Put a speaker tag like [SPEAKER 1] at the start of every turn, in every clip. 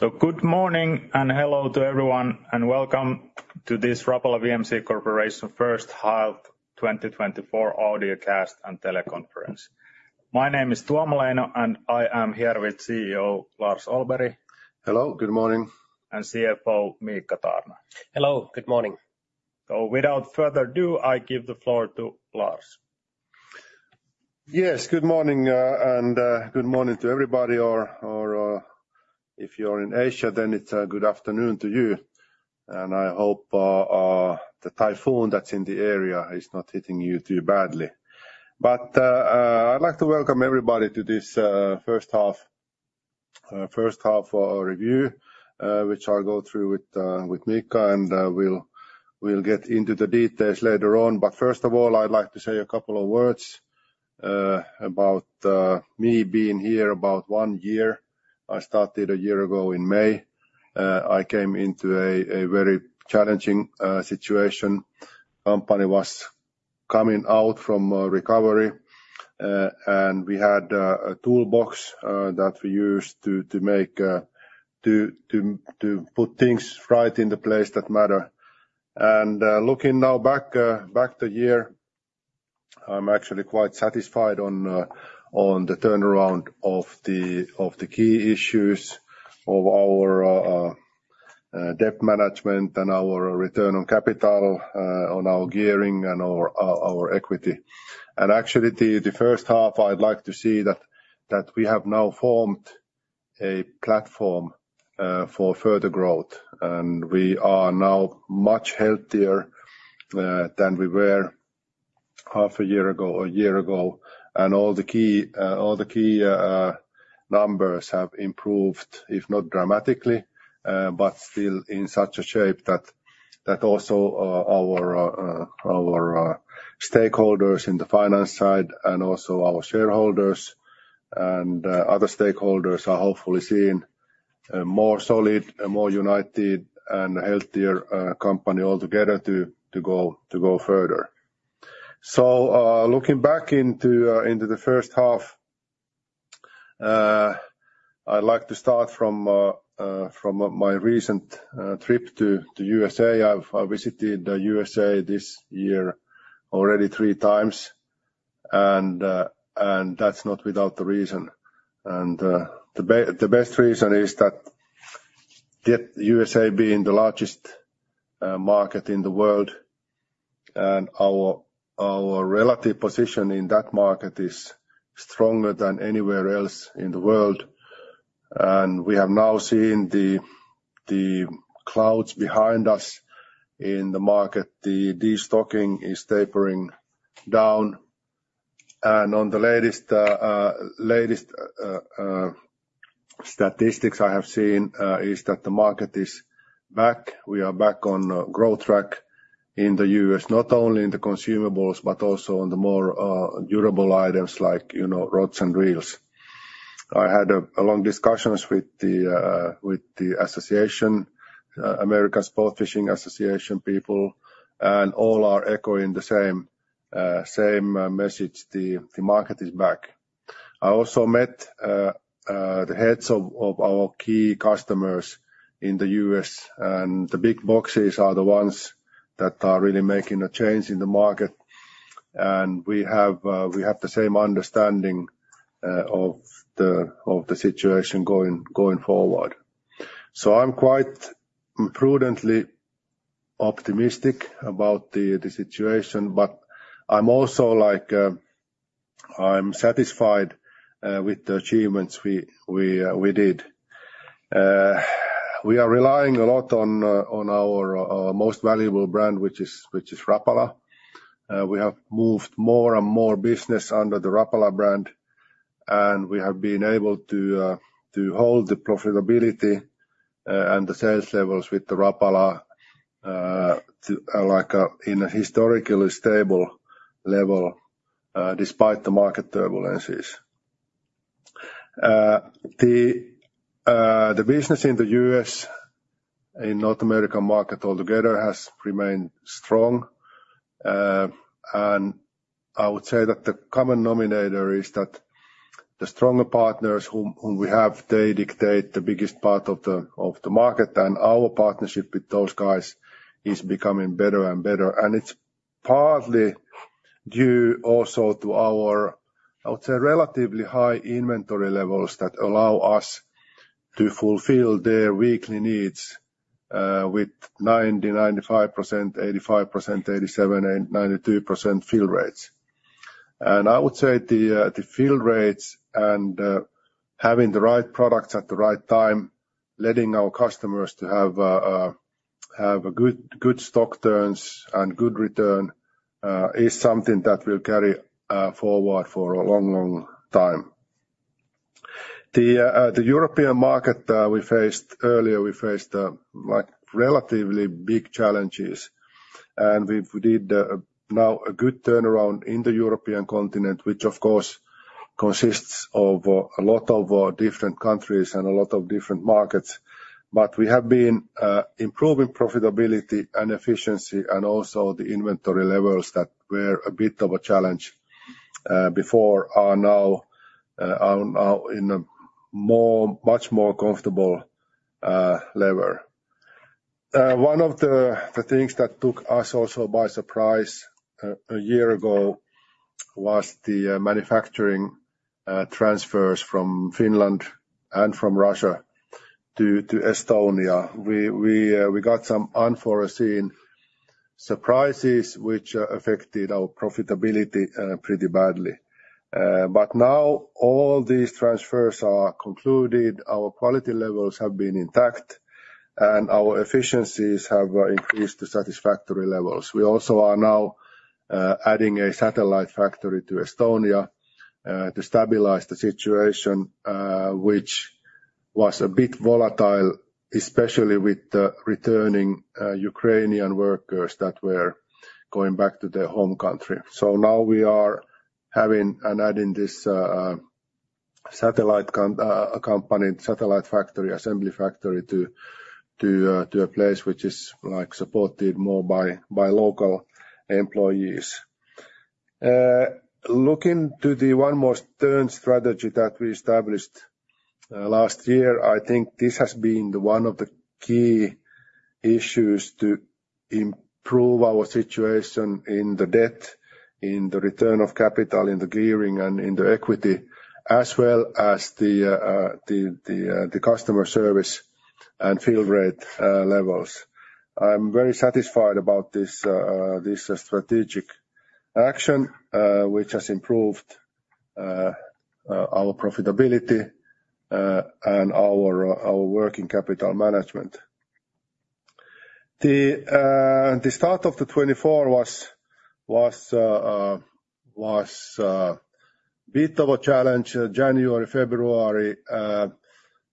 [SPEAKER 1] Good morning, and hello to everyone, and welcome to this Rapala VMC Corporation first half 2024 audio cast and teleconference. My name is Tuomo Leino, and I am here with CEO Lars Ollberg.
[SPEAKER 2] Hello, good morning.
[SPEAKER 1] CFO, Miikka Taarna.
[SPEAKER 3] Hello, good morning.
[SPEAKER 1] Without further ado, I give the floor to Lars.
[SPEAKER 2] Yes, good morning, and good morning to everybody, or if you're in Asia, then it's a good afternoon to you. And I hope the typhoon that's in the area is not hitting you too badly. But I'd like to welcome everybody to this first half review, which I'll go through with Miikka, and we'll get into the details later on. But first of all, I'd like to say a couple of words about me being here about one year. I started a year ago in May. I came into a very challenging situation. Company was coming out from recovery, and we had a toolbox that we used to put things right in the place that matter. Looking back on the year, I'm actually quite satisfied on the turnaround of the key issues of our debt management and our return on capital, on our gearing and our equity. Actually, the first half, I'd like to see that we have now formed a platform for further growth, and we are now much healthier than we were half a year ago or a year ago. All the key numbers have improved, if not dramatically, but still in such a shape that also our stakeholders in the finance side and also our shareholders and other stakeholders are hopefully seeing a more solid, a more united, and healthier company altogether to go further. So, looking back into the first half, I'd like to start from my recent trip to USA. I've visited the USA this year already three times, and that's not without the reason. And the best reason is that the USA being the largest market in the world, and our relative position in that market is stronger than anywhere else in the world. And we have now seen the clouds behind us in the market. The destocking is tapering down, and on the latest statistics I have seen is that the market is back. We are back on growth track in the US, not only in the consumables, but also on the more durable items like, you know, rods and reels. I had a long discussions with the association, American Sportfishing Association people, and all are echoing the same message: the market is back. I also met the heads of our key customers in the U.S., and the big boxes are the ones that are really making a change in the market. We have the same understanding of the situation going forward. So I'm quite prudently optimistic about the situation, but I'm also like, I'm satisfied with the achievements we did. We are relying a lot on our most valuable brand, which is Rapala. We have moved more and more business under the Rapala brand, and we have been able to, to hold the profitability, and the sales levels with the Rapala, to, like, in a historically stable level, despite the market turbulences. The business in the U.S., in North American market altogether, has remained strong. And I would say that the common nominator is that the stronger partners whom we have, they dictate the biggest part of the market, and our partnership with those guys is becoming better and better. And it's partly due also to our, I would say, relatively high inventory levels that allow us to fulfill their weekly needs, with 90, 95%, 85%, 87, and 92% fill rates. I would say the fill rates and having the right products at the right time, letting our customers have a good stock turns and good return is something that will carry forward for a long time. The European market we faced earlier like relatively big challenges, and we've did now a good turnaround in the European continent, which of course consists of a lot of different countries and a lot of different markets. But we have been improving profitability and efficiency, and also the inventory levels that were a bit of a challenge before are now in a much more comfortable level. One of the things that took us also by surprise a year ago was the manufacturing transfers from Finland and from Russia to Estonia. We got some unforeseen surprises which affected our profitability pretty badly. But now all these transfers are concluded, our quality levels have been intact, and our efficiencies have increased to satisfactory levels. We also are now adding a satellite factory to Estonia to stabilize the situation which was a bit volatile, especially with the returning Ukrainian workers that were going back to their home country. So now we are having and adding this satellite factory, assembly factory to a place which is, like, supported more by local employees. Looking to the One More Turn strategy that we established last year, I think this has been one of the key issues to improve our situation in the debt, in the return of capital, in the gearing and in the equity, as well as the customer service and fill rate levels. I'm very satisfied about this strategic action, which has improved our profitability and our working capital management. The start of 2024 was a bit of a challenge. January, February,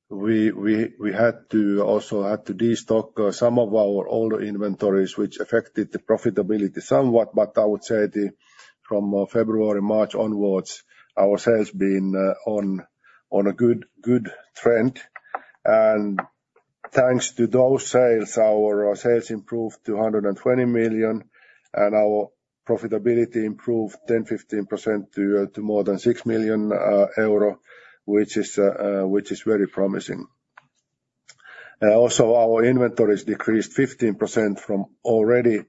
[SPEAKER 2] we had to destock some of our older inventories, which affected the profitability somewhat, but I would say from February, March onwards, our sales been on a good trend. Thanks to those sales, our sales improved to 120 million, and our profitability improved 10%-15% to more than 6 million euro, which is very promising. Also, our inventories decreased 15% from already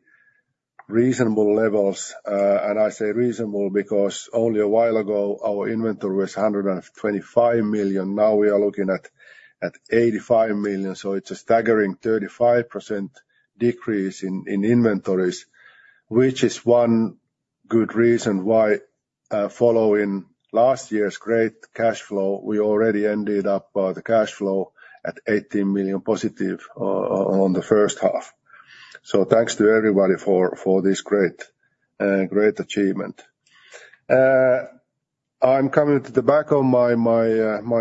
[SPEAKER 2] reasonable levels. I say reasonable because only a while ago, our inventory was 125 million. Now we are looking at 85 million, so it's a staggering 35% decrease in inventories, which is one good reason why, following last year's great cash flow, we already ended up the cash flow at 18 million positive on the first half. So thanks to everybody for this great achievement. I'm coming to the back of my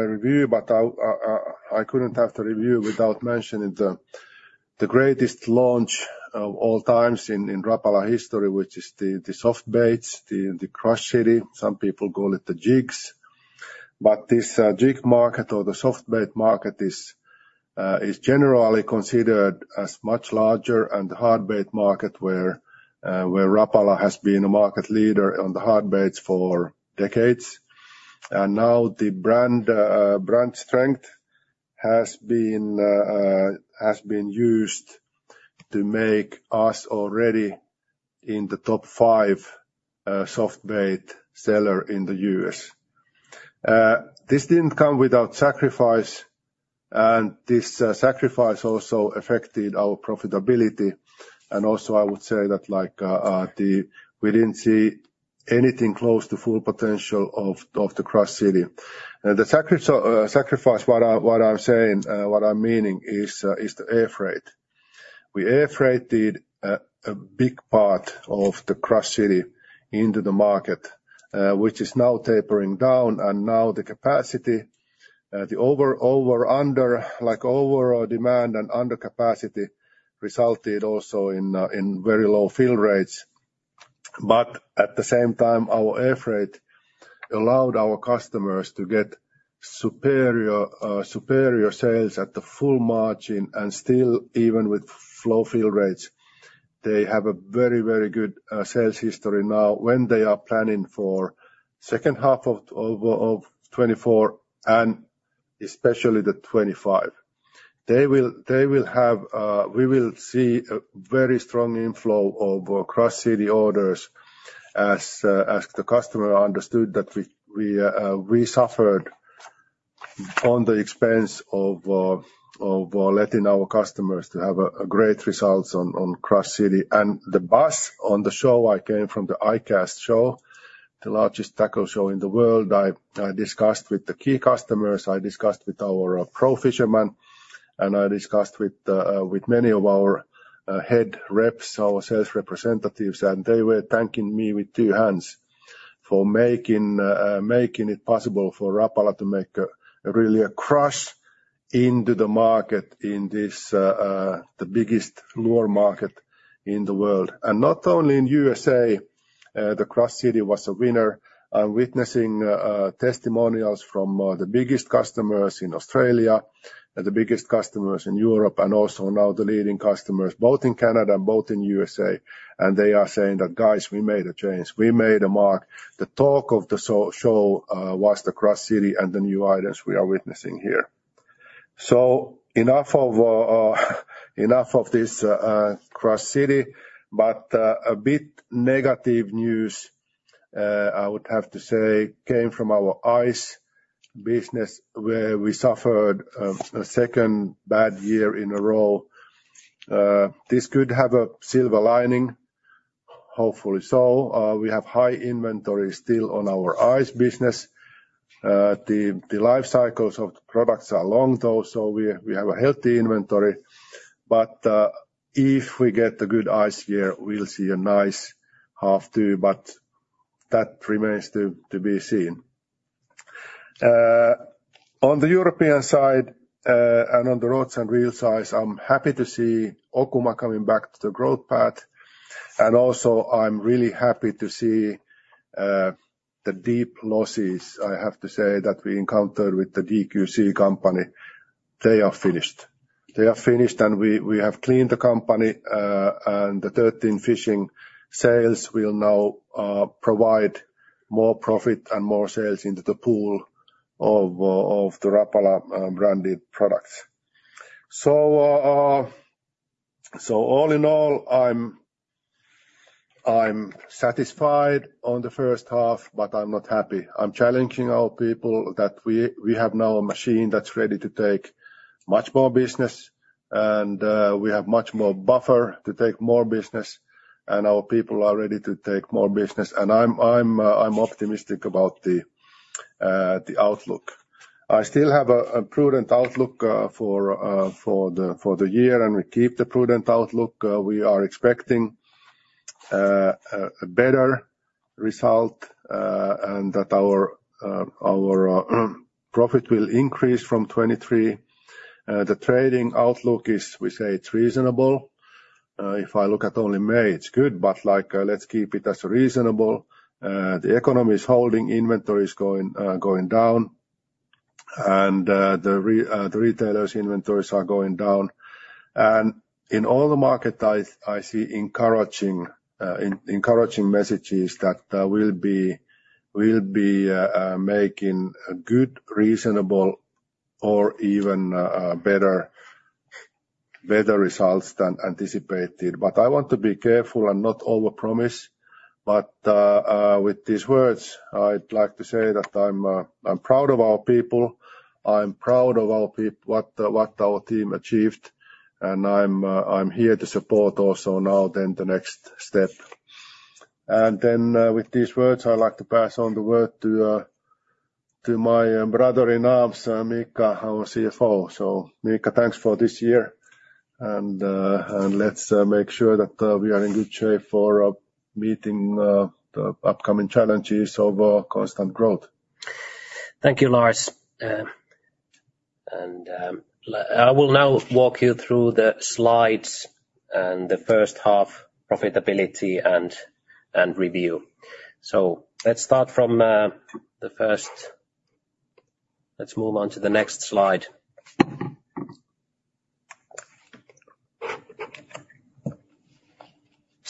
[SPEAKER 2] review, but I couldn't have the review without mentioning the greatest launch of all times in Rapala history, which is the soft baits, the CrushCity. Some people call it the jigs. But this jig market or the soft bait market is generally considered as much larger than the hard bait market, where Rapala has been a market leader on the hard baits for decades. And now the brand strength has been used to make us already in the top five soft bait seller in the US. This didn't come without sacrifice, and this sacrifice also affected our profitability. I would say that, like, we didn't see anything close to full potential of the CrushCity. The sacrifice, what I'm saying, what I'm meaning is the air freight. We air freighted a big part of the CrushCity into the market, which is now tapering down, and now the capacity, the overall demand and under capacity resulted also in very low fill rates. But at the same time, our air freight allowed our customers to get superior sales at the full margin and still, even with low fill rates, they have a very, very good sales history now when they are planning for second half of 2024, and especially 2025. They will, they will have, we will see a very strong inflow of CrushCity orders as, as the customer understood that we, we, we suffered on the expense of, of, letting our customers to have a, a great results on, on CrushCity. And the buzz on the show, I came from the ICAST show, the largest tackle show in the world. I, I discussed with the key customers, I discussed with our pro fisherman, and I discussed with, with many of our, head reps, our sales representatives, and they were thanking me with two hands for making, making it possible for Rapala to make, really a crush into the market in this, the biggest lure market in the world. And not only in USA, the CrushCity was a winner. I'm witnessing testimonials from the biggest customers in Australia, and the biggest customers in Europe, and also now the leading customers, both in Canada and both in USA. And they are saying that, "Guys, we made a change. We made a mark." The talk of the show was the CrushCity and the new items we are witnessing here. So enough of this CrushCity, but a bit negative news I would have to say came from our ice business, where we suffered a second bad year in a row. This could have a silver lining, hopefully so. We have high inventory still on our ice business. The life cycles of the products are long though, so we have a healthy inventory. But, if we get a good ice year, we'll see a nice half too, but that remains to be seen. On the European side, and on the rods and reels side, I'm happy to see Okuma coming back to the growth path. And also I'm really happy to see the deep losses, I have to say, that we encountered with the DQC company. They are finished. They are finished, and we have cleaned the company, and the 13 Fishing sales will now provide more profit and more sales into the pool of the Rapala branded products. So, all in all, I'm satisfied on the first half, but I'm not happy. I'm challenging our people that we, we have now a machine that's ready to take much more business, and we have much more buffer to take more business, and our people are ready to take more business. And I'm, I'm optimistic about the outlook. I still have a prudent outlook for the year, and we keep the prudent outlook. We are expecting a better result, and that our profit will increase from 2023. The trading outlook is, we say it's reasonable. If I look at only May, it's good, but like, let's keep it as reasonable. The economy is holding, inventory is going down, and the retailers' inventories are going down. In all the markets, I see encouraging messages that we'll be making a good, reasonable, or even better results than anticipated. But I want to be careful and not over-promise, but with these words, I'd like to say that I'm proud of our people, I'm proud of what our team achieved, and I'm here to support also the next step. With these words, I'd like to pass the word to my brother-in-arms, Miikka, our CFO. So Miikka, thanks for this year, and let's make sure that we are in good shape for meeting the upcoming challenges of constant growth.
[SPEAKER 3] Thank you, Lars. I will now walk you through the slides and the first half profitability and review. Let's start from the first. Let's move on to the next slide.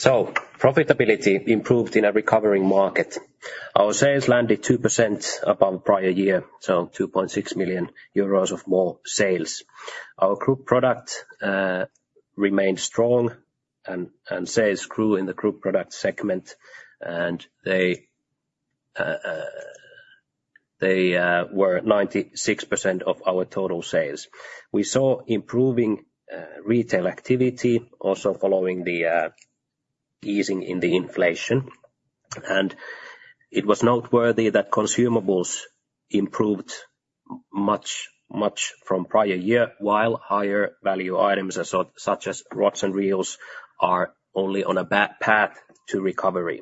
[SPEAKER 3] Profitability improved in a recovering market. Our sales landed 2% above prior year, so 2.6 million euros of more sales. Our group product remained strong, and sales grew in the group product segment, and they were 96% of our total sales. We saw improving retail activity, also following the easing in the inflation. And it was noteworthy that consumables improved much more from prior year, while higher value items, such as rods and reels, are only on a back path to recovery.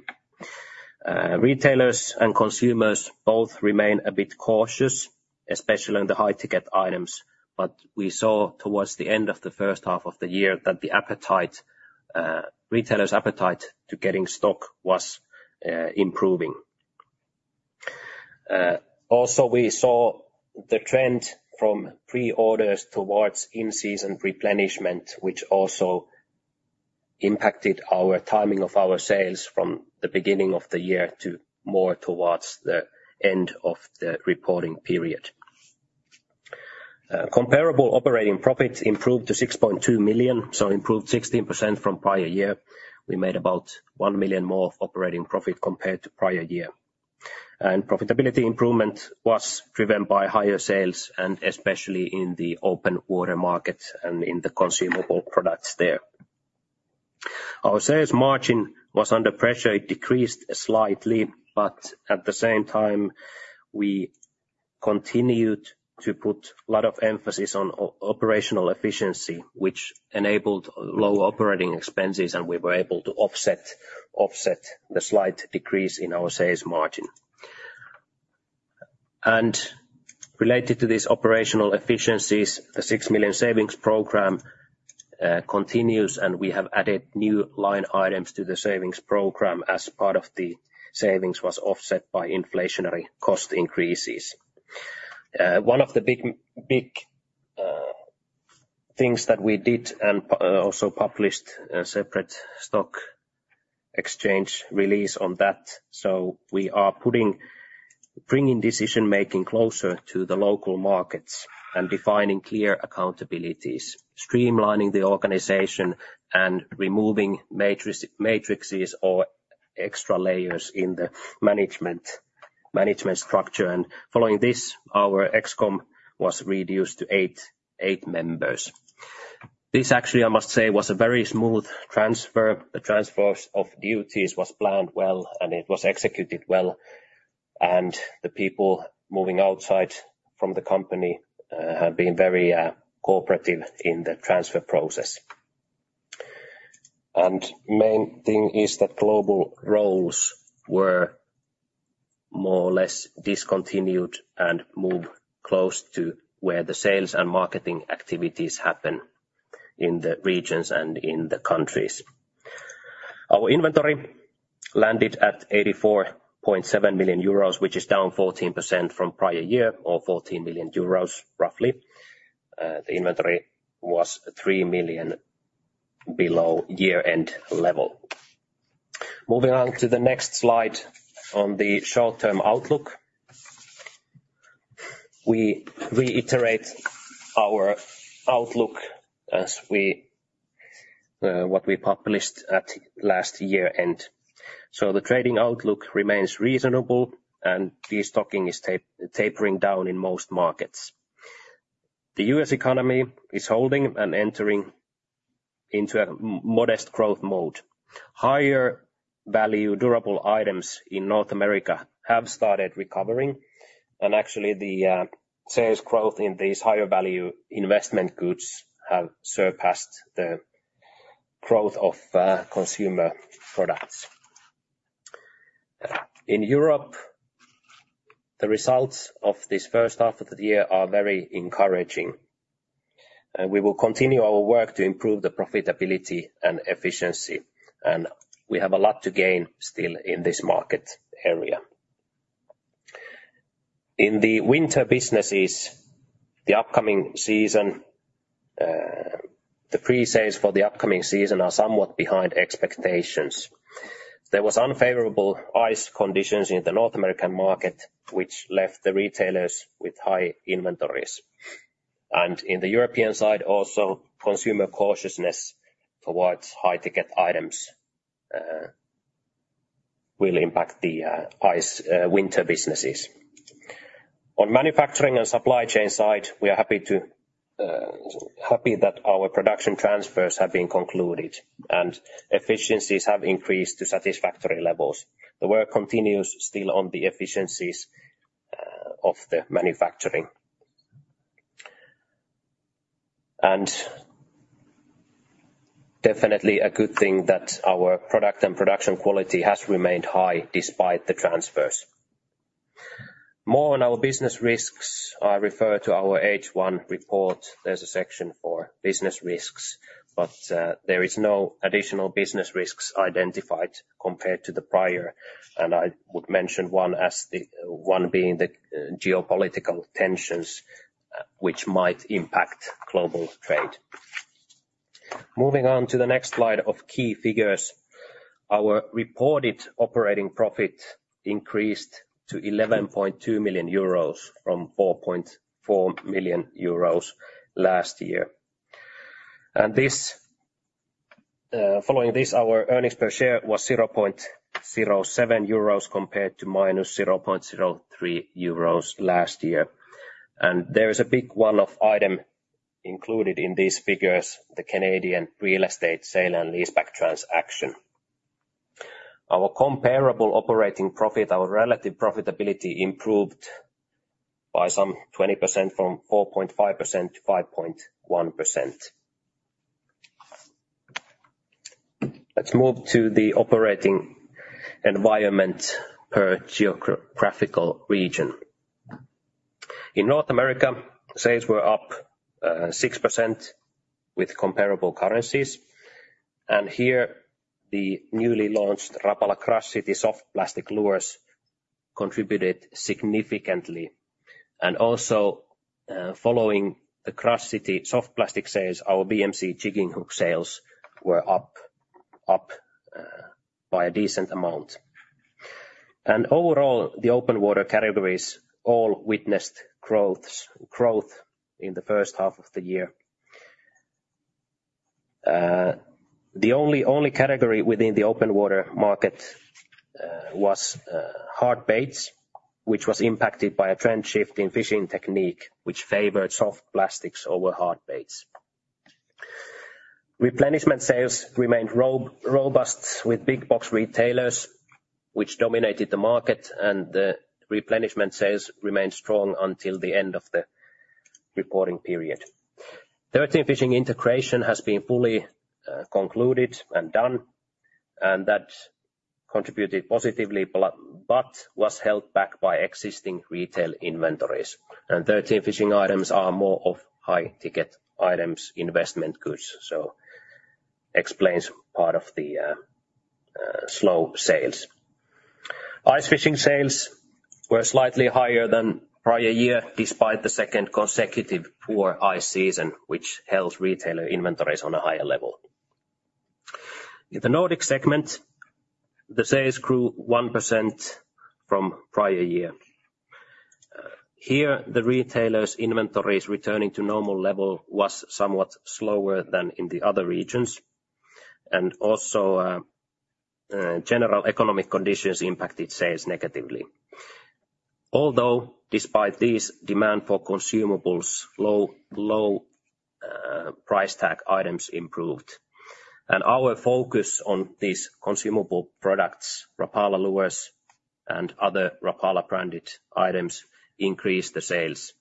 [SPEAKER 3] Retailers and consumers both remain a bit cautious, especially on the high-ticket items, but we saw towards the end of the first half of the year that the appetite, retailers' appetite to getting stock was, improving. Also, we saw the trend from pre-orders towards in-season replenishment, which also impacted our timing of our sales from the beginning of the year to more towards the end of the reporting period. Comparable operating profit improved to 6.2 million, so improved 16% from prior year. We made about 1 million more of operating profit compared to prior year. And profitability improvement was driven by higher sales and especially in the open water markets and in the consumable products there. Our sales margin was under pressure. It decreased slightly, but at the same time, we continued to put a lot of emphasis on operational efficiency, which enabled low operating expenses, and we were able to offset the slight decrease in our sales margin. Related to these operational efficiencies, the 6 million savings program continues, and we have added new line items to the savings program as part of the savings was offset by inflationary cost increases. One of the big things that we did and also published a separate stock exchange release on that. So we are bringing decision-making closer to the local markets and defining clear accountabilities, streamlining the organization, and removing matrices or extra layers in the management structure. Following this, our ExCom was reduced to 8 members. This actually, I must say, was a very smooth transfer. The transfer of duties was planned well, and it was executed well, and the people moving outside from the company have been very cooperative in the transfer process. Main thing is that global roles were more or less discontinued and moved close to where the sales and marketing activities happen in the regions and in the countries. Our inventory landed at 84.7 million euros, which is down 14% from prior year, or 14 million euros, roughly. The inventory was 3 million below year-end level. Moving on to the next slide on the short-term outlook. We reiterate our outlook as what we published at last year-end. The trading outlook remains reasonable, and destocking is tapering down in most markets. The U.S. economy is holding and entering into a modest growth mode. Higher value durable items in North America have started recovering, and actually the sales growth in these higher value investment goods have surpassed the growth of consumer products. In Europe, the results of this first half of the year are very encouraging, and we will continue our work to improve the profitability and efficiency, and we have a lot to gain still in this market area. In the winter businesses, the upcoming season, the pre-sales for the upcoming season are somewhat behind expectations. There was unfavorable ice conditions in the North American market, which left the retailers with high inventories. And in the European side, also, consumer cautiousness towards high-ticket items will impact the ice winter businesses. On manufacturing and supply chain side, we are happy to happy that our production transfers have been concluded, and efficiencies have increased to satisfactory levels. The work continues still on the efficiencies of the manufacturing. And definitely a good thing that our product and production quality has remained high despite the transfers. More on our business risks, I refer to our H1 report. There's a section for business risks, but there is no additional business risks identified compared to the prior, and I would mention one as one being the geopolitical tensions, which might impact global trade. Moving on to the next slide of key figures, our reported operating profit increased to 11.2 million euros from 4.4 million euros last year. And this, following this, our earnings per share was 0.07 euros compared to -0.03 euros last year. And there is a big one-off item included in these figures, the Canadian real estate sale and leaseback transaction. Our comparable operating profit, our relative profitability improved by some 20% from 4.5% to 5.1%. Let's move to the operating environment per geographical region. In North America, sales were up 6% with comparable currencies, and here, the newly launched Rapala CrushCity soft plastic lures contributed significantly. Also, following the CrushCity soft plastic sales, our VMC jigging hook sales were up by a decent amount. Overall, the open water categories all witnessed growth in the first half of the year. The only category within the open water market was hard baits, which was impacted by a trend shift in fishing technique, which favored soft plastics over hard baits. Replenishment sales remained robust with big box retailers, which dominated the market, and the replenishment sales remained strong until the end of the reporting period. 13 Fishing integration has been fully concluded and done, and that contributed positively, but was held back by existing retail inventories. 13 Fishing items are more of high-ticket items, investment goods, so explains part of the slow sales. Ice fishing sales were slightly higher than prior year, despite the second consecutive poor ice season, which held retailer inventories on a higher level. In the Nordic segment, the sales grew 1% from prior year. Here, the retailer's inventories returning to normal level was somewhat slower than in the other regions, and also, general economic conditions impacted sales negatively. Although, despite this, demand for consumables, low price tag items improved. Our focus on these consumable products, Rapala lures and other Rapala branded items, increased the sales.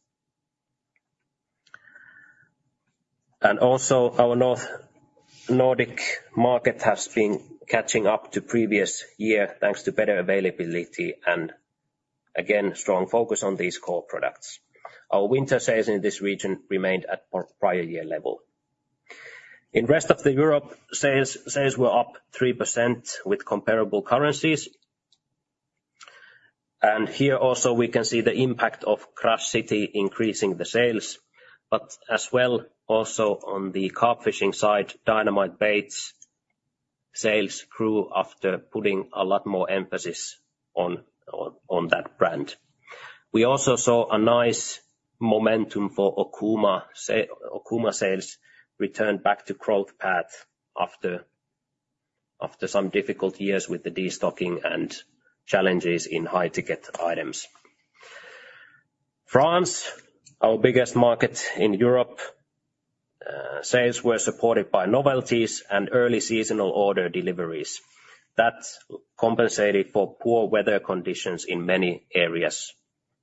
[SPEAKER 3] Also, our Nordic market has been catching up to previous year, thanks to better availability and, again, strong focus on these core products. Our winter sales in this region remained at our prior year level. In the rest of Europe, sales were up 3% with comparable currencies. And here also, we can see the impact of CrushCity increasing the sales, but as well, also on the carp fishing side, Dynamite Baits sales grew after putting a lot more emphasis on that brand. We also saw a nice momentum for Okuma. Okuma sales returned back to growth path after some difficult years with the destocking and challenges in high-ticket items. France, our biggest market in Europe, sales were supported by novelties and early seasonal order deliveries. That compensated for poor weather conditions in many areas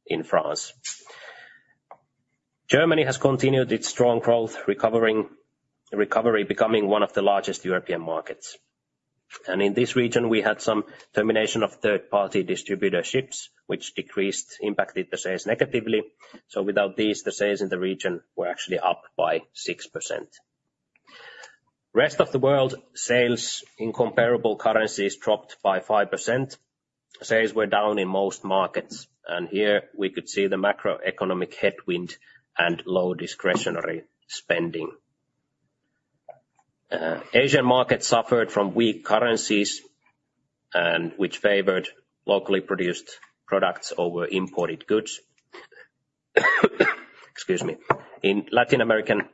[SPEAKER 3] in France. Germany has continued its strong growth, recovery, becoming one of the largest European markets. In this region, we had some termination of third-party distributorships, which impacted the sales negatively. So without these, the sales in the region were actually up by 6%. Rest of the world, sales in comparable currencies dropped by 5%. Sales were down in most markets, and here we could see the macroeconomic headwind and low discretionary spending. Asian market suffered from weak currencies, which favored locally produced products over imported goods. Excuse me. In Latin American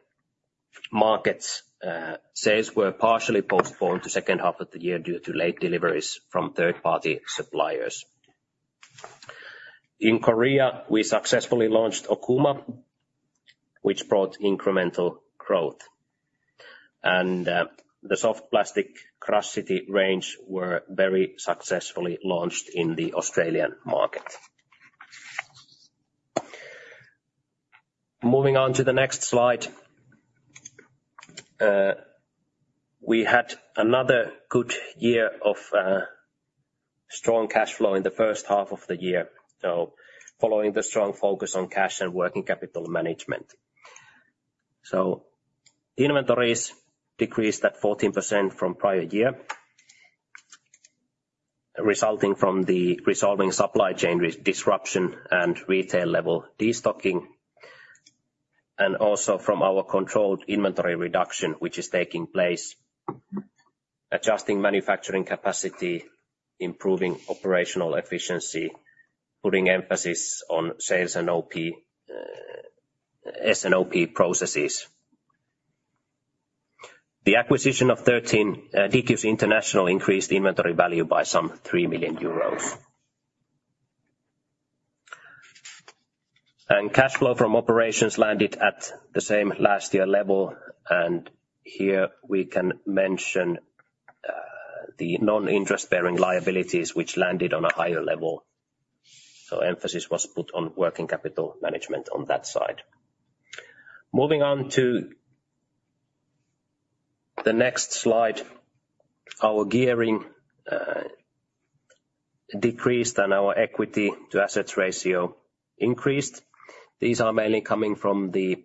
[SPEAKER 3] markets, sales were partially postponed to second half of the year due to late deliveries from third-party suppliers. In Korea, we successfully launched Okuma, which brought incremental growth, and the soft plastic CrushCity range were very successfully launched in the Australian market. Moving on to the next slide, we had another good year of strong cash flow in the first half of the year, so following the strong focus on cash and working capital management. Inventories decreased at 14% from prior year, resulting from the resolving supply chain disruption and retail level destocking, and also from our controlled inventory reduction, which is taking place, adjusting manufacturing capacity, improving operational efficiency, putting emphasis on sales and OP, S&OP processes. The acquisition of 13, DQC International increased the inventory value by some 3 million euros. And cash flow from operations landed at the same last year level, and here we can mention the non-interest-bearing liabilities, which landed on a higher level. So emphasis was put on working capital management on that side. Moving on to the next slide, our gearing decreased and our equity to assets ratio increased. These are mainly coming from the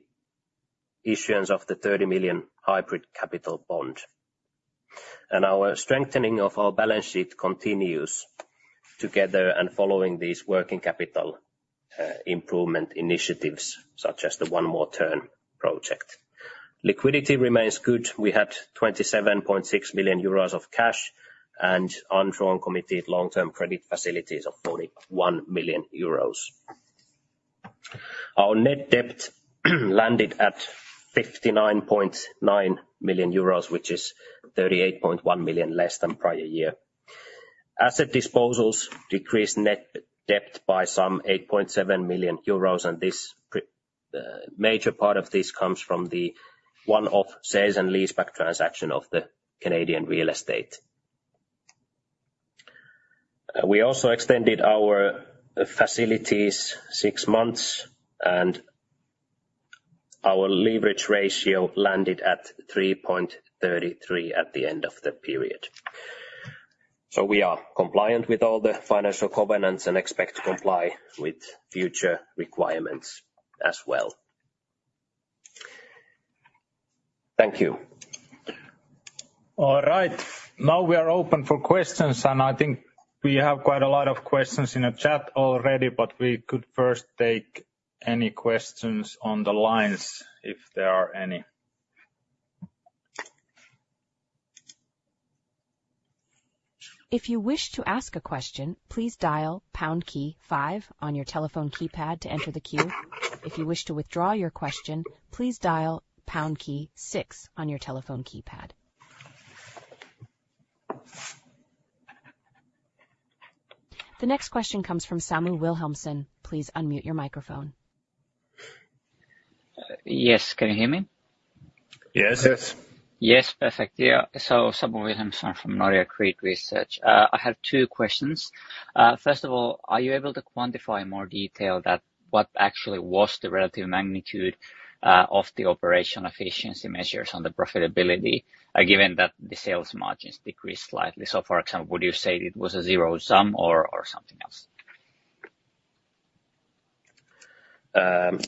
[SPEAKER 3] issuance of the 30 million Hybrid Capital Bond. And our strengthening of our balance sheet continues together and following these working capital improvement initiatives, such as the One More Turn project. Liquidity remains good. We had 27.6 million euros of cash and undrawn committed long-term credit facilities of only 1 million euros. Our net debt landed at 59.9 million euros, which is 38.1 million less than prior year. Asset disposals decreased net debt by some 8.7 million euros, and this major part of this comes from the one-off sales and leaseback transaction of the Canadian real estate. We also extended our facilities six months, and our leverage ratio landed at 3.33 at the end of the period. So we are compliant with all the financial covenants and expect to comply with future requirements as well. Thank you.
[SPEAKER 1] All right, now we are open for questions, and I think we have quite a lot of questions in the chat already, but we could first take any questions on the lines, if there are any.
[SPEAKER 4] If you wish to ask a question, please dial pound key five on your telephone keypad to enter the queue. If you wish to withdraw your question, please dial pound key six on your telephone keypad. The next question comes from Samu Wilhelmsson. Please unmute your microphone.
[SPEAKER 5] Yes, can you hear me?
[SPEAKER 2] Yes. Yes.
[SPEAKER 5] Yes. Perfect. Yeah, so Samu Wilhelmsson from Nordea Credit Research. I have two questions. First of all, are you able to quantify in more detail that what actually was the relative magnitude of the operational efficiency measures on the profitability, given that the sales margins decreased slightly? So for example, would you say it was a zero sum or, or something else?
[SPEAKER 3] Well,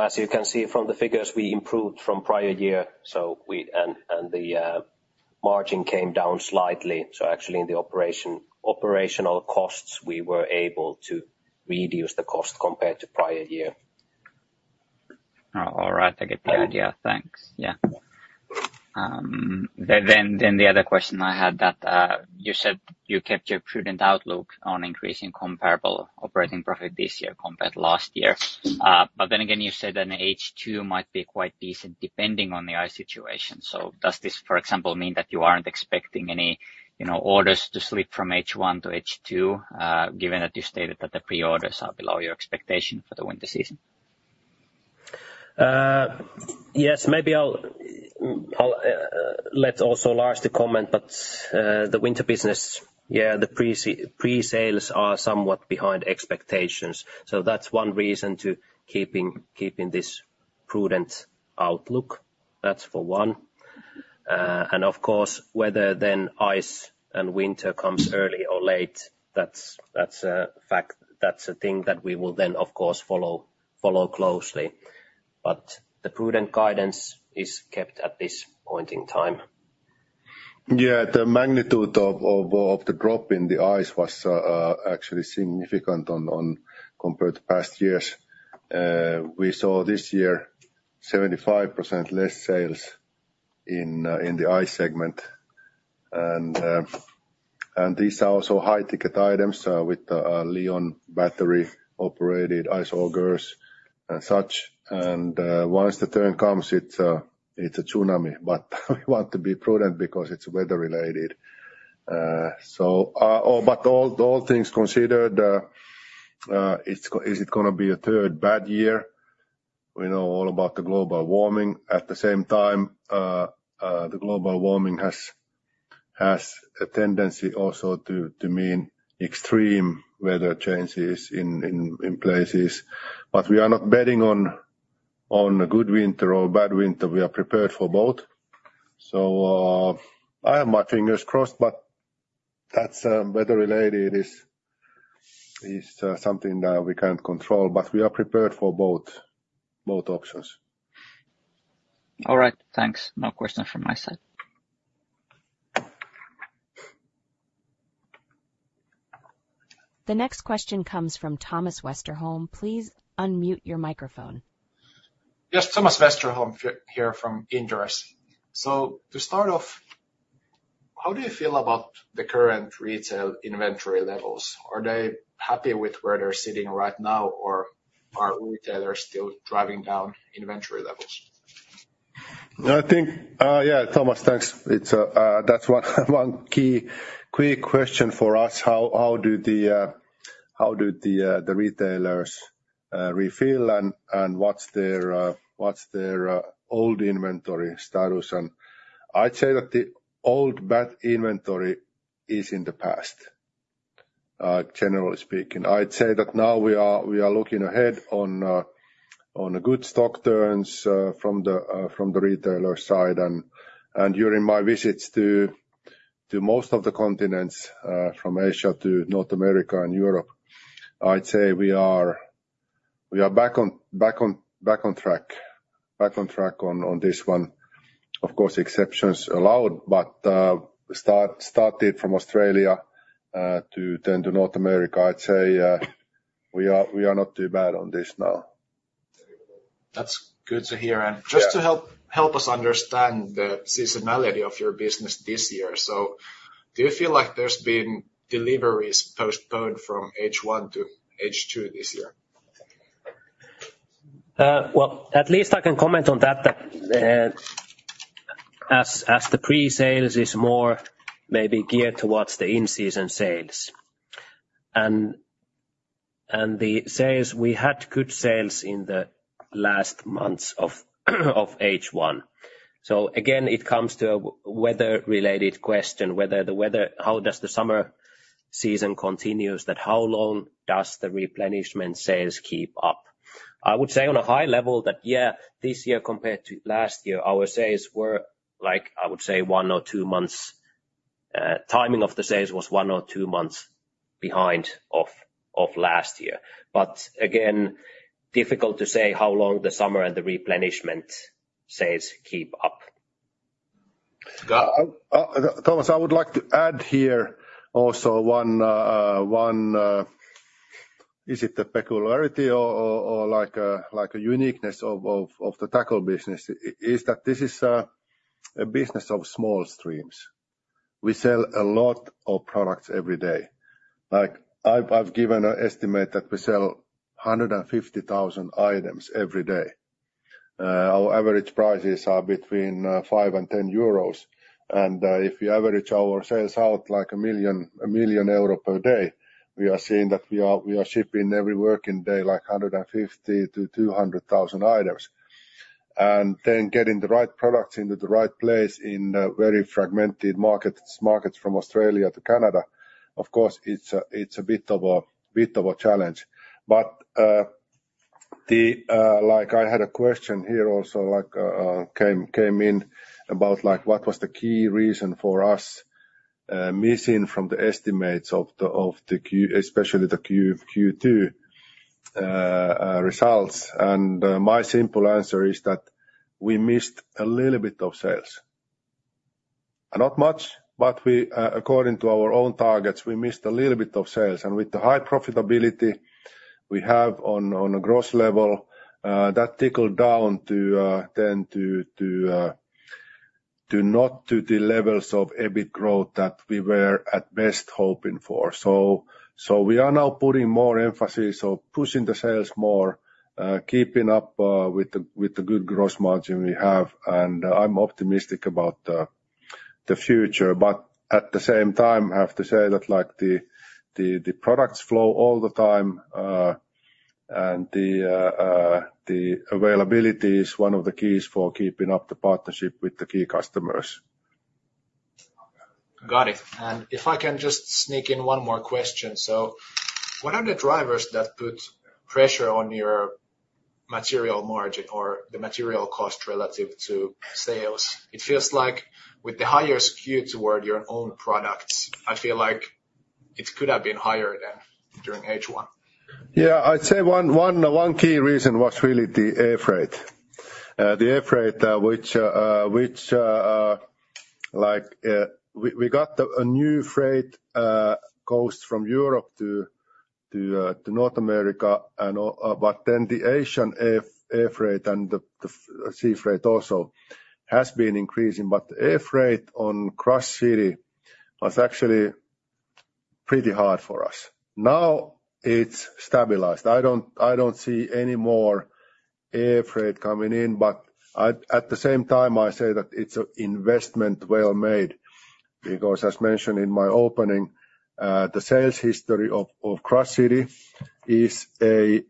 [SPEAKER 3] as you can see from the figures, we improved from prior year, so the margin came down slightly. So actually, in the operational costs, we were able to reduce the cost compared to prior year.
[SPEAKER 5] Oh, all right, I get the idea. Thanks. Yeah. Then the other question I had that you said you kept your prudent outlook on increasing comparable operating profit this year compared to last year. But then again, you said that H2 might be quite decent, depending on the ice situation. So does this, for example, mean that you aren't expecting any, you know, orders to slip from H1 to H2, given that you stated that the pre-orders are below your expectation for the winter season?
[SPEAKER 3] Yes, maybe I'll let also Lars to comment, but the winter business, yeah, the pre-sales are somewhat behind expectations. So that's one reason to keeping this prudent outlook. That's for one. And of course, whether then ice and winter comes early or late, that's a thing that we will then, of course, follow closely. But the prudent guidance is kept at this point in time.
[SPEAKER 2] Yeah, the magnitude of the drop in the ice was actually significant compared to past years. We saw this year 75% less sales in the ice segment. And these are also high-ticket items with the lithium battery-operated ice augers and such. And once the turn comes, it's a tsunami, but we want to be prudent because it's weather-related. But all things considered, is it gonna be a third bad year? We know all about the global warming. At the same time, the global warming has a tendency also to mean extreme weather changes in places. But we are not betting on a good winter or bad winter, we are prepared for both. So, I have my fingers crossed, but that's weather-related. It is something that we can't control, but we are prepared for both options.
[SPEAKER 5] All right. Thanks. No question from my side.
[SPEAKER 4] The next question comes from Thomas Westerholm. Please unmute your microphone.
[SPEAKER 6] Yes, Thomas Westerholm here from Inderes. To start off, how do you feel about the current retail inventory levels? Are they happy with where they're sitting right now, or are retailers still driving down inventory levels?
[SPEAKER 2] I think, yeah, Thomas, thanks. It's that one key quick question for us, how do the retailers refill and what's their old inventory status? I'd say that the old bad inventory is in the past, generally speaking. I'd say that now we are looking ahead on a good stock turns from the retailer side. And during my visits to most of the continents, from Asia to North America and Europe, I'd say we are back on track on this one. Of course, exceptions allowed, but started from Australia to then to North America, I'd say we are not too bad on this now.
[SPEAKER 6] That's good to hear.
[SPEAKER 2] Yeah.
[SPEAKER 6] Just to help us understand the seasonality of your business this year. Do you feel like there's been deliveries postponed from H1 to H2 this year?
[SPEAKER 3] Well, at least I can comment on that, as the pre-sales is more maybe geared towards the in-season sales. And the sales, we had good sales in the last months of H1. So again, it comes to a weather-related question, whether the weather how does the summer season continues, that how long does the replenishment sales keep up? I would say on a high level, yeah, this year, compared to last year, our sales were like, I would say, one or two months timing of the sales was one or two months behind of last year. But again, difficult to say how long the summer and the replenishment sales keep up.
[SPEAKER 2] Thomas, I would like to add here also one, is it the peculiarity or like a uniqueness of the tackle business, is that this is a business of small streams. We sell a lot of products every day. Like, I've given an estimate that we sell 150,000 items every day. Our average prices are between 5 and 10 euros. And if you average our sales out like 1 million per day, we are seeing that we are shipping every working day, like 150,000 to 200,000 items. And then getting the right products into the right place in a very fragmented markets from Australia to Canada, of course, it's a bit of a challenge. But, like I had a question here also, like, came in about like, what was the key reason for us missing from the estimates of the, of the Q... Especially the Q2 results? And, my simple answer is that we missed a little bit of sales. Not much, but we, according to our own targets, we missed a little bit of sales. And with the high profitability we have on a gross level, that tickled down to tend to the levels of EBIT growth that we were at best hoping for. So we are now putting more emphasis on pushing the sales more, keeping up with the good gross margin we have, and I'm optimistic about the future. But at the same time, I have to say that, like, the products flow all the time, and the availability is one of the keys for keeping up the partnership with the key customers.
[SPEAKER 6] Got it. If I can just sneak in one more question: So what are the drivers that put pressure on your material margin or the material cost relative to sales? It feels like with the higher SKU toward your own products, I feel like it could have been higher than during H1.
[SPEAKER 2] Yeah, I'd say one key reason was really the air freight. The air freight, which, like, we got a new freight cost from Europe to North America and all- but then the Asian air freight and the sea freight also has been increasing. But air freight on CrushCity was actually pretty hard for us. Now, it's stabilized. I don't see any more air freight coming in, but at the same time, I say that it's an investment well made, because as mentioned in my opening, the sales history of CrushCity is a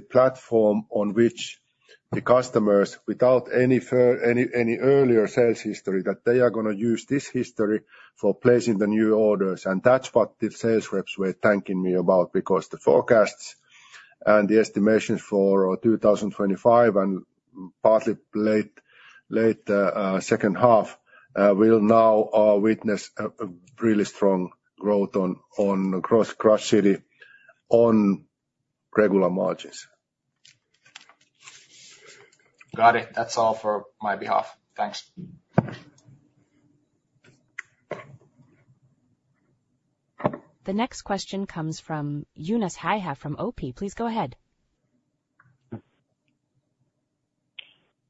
[SPEAKER 2] platform on which the customers, without any earlier sales history, that they are gonna use this history for placing the new orders. That's what the sales reps were thanking me about, because the forecasts and the estimations for 2025 and partly late second half will now witness a really strong growth on CrushCity on regular margins.
[SPEAKER 6] Got it. That's all for my behalf. Thanks.
[SPEAKER 4] The next question comes from Joonas Häyhä from OP. Please go ahead.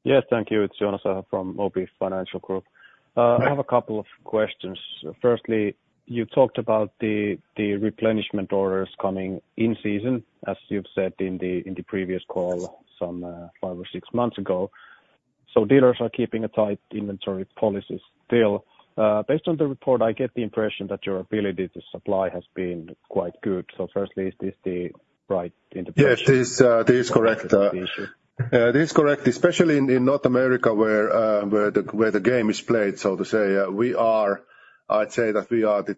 [SPEAKER 7] Yes, thank you. It's Joonas Häyhä from OP Financial Group.
[SPEAKER 2] Hi.
[SPEAKER 7] I have a couple of questions. Firstly, you talked about the, the replenishment orders coming in season, as you've said in the, in the previous call, some five or six months ago. So dealers are keeping a tight inventory policy still. Based on the report, I get the impression that your ability to supply has been quite good. So firstly, is this the right interpretation?
[SPEAKER 2] Yes, this, this is correct.
[SPEAKER 7] Thank you.
[SPEAKER 2] This is correct, especially in North America, where the game is played, so to say, we are. I'd say that we are the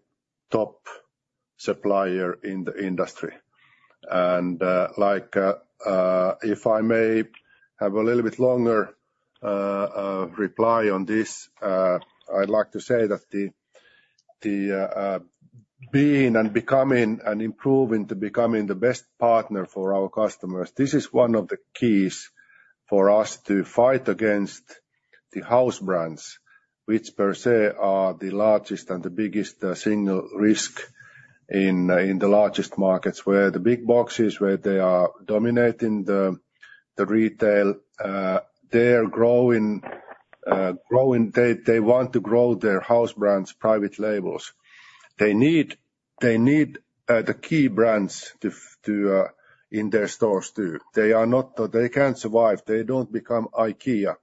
[SPEAKER 2] top supplier in the industry. And like, if I may have a little bit longer reply on this, I'd like to say that the being and becoming and improving to becoming the best partner for our customers, this is one of the keys for us to fight against the house brands, which per se are the largest and the biggest single risk in the largest markets. Where the big boxes, where they are dominating the retail, they are growing, growing. They want to grow their house brands' private labels. They need the key brands in their stores, too. They can't survive. They don't become IKEA.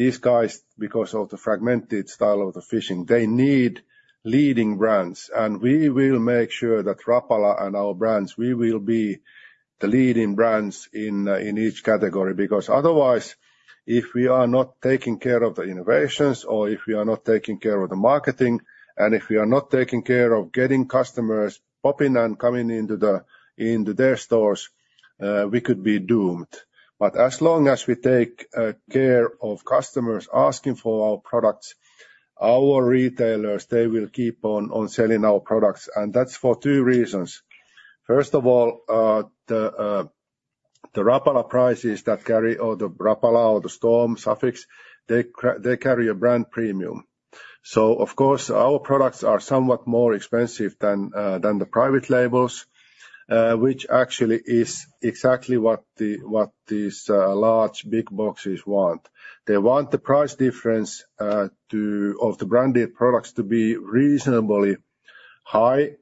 [SPEAKER 2] These guys, because of the fragmented style of the fishing, they need leading brands, and we will make sure that Rapala and our brands, we will be the leading brands in each category. Because otherwise, if we are not taking care of the innovations, or if we are not taking care of the marketing, and if we are not taking care of getting customers popping and coming into their stores, we could be doomed. But as long as we take care of customers asking for our products, our retailers, they will keep on selling our products, and that's for two reasons: First of all, the Rapala prices that carry or the Rapala or the Storm Sufix, they carry a brand premium. So of course, our products are somewhat more expensive than the private labels, which actually is exactly what these large big boxes want. They want the price difference of the branded products to be reasonably high,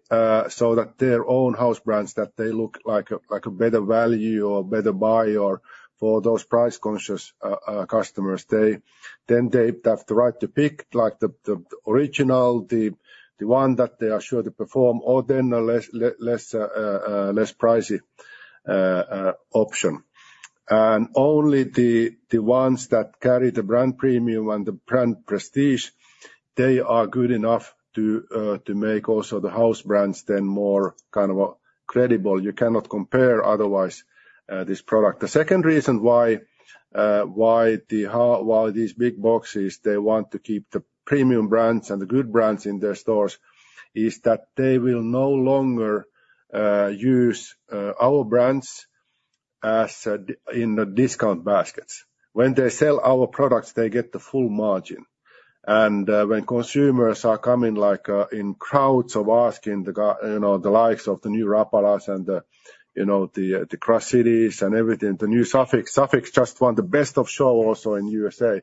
[SPEAKER 2] so that their own house brands look like a better value or better buy for those price-conscious customers. They then have the right to pick, like the original, the one that they are sure to perform, or then a less less pricey option. And only the ones that carry the brand premium and the brand prestige are good enough to make also the house brands then more kind of credible. You cannot compare otherwise this product. The second reason why Why these big boxes, they want to keep the premium brands and the good brands in their stores, is that they will no longer use our brands as a in the discount baskets. When they sell our products, they get the full margin. And when consumers are coming like in crowds of asking the you know the likes of the new Rapalas and the you know the the CrushCitys and everything, the new Sufix. Sufix just won the Best of Show also in USA.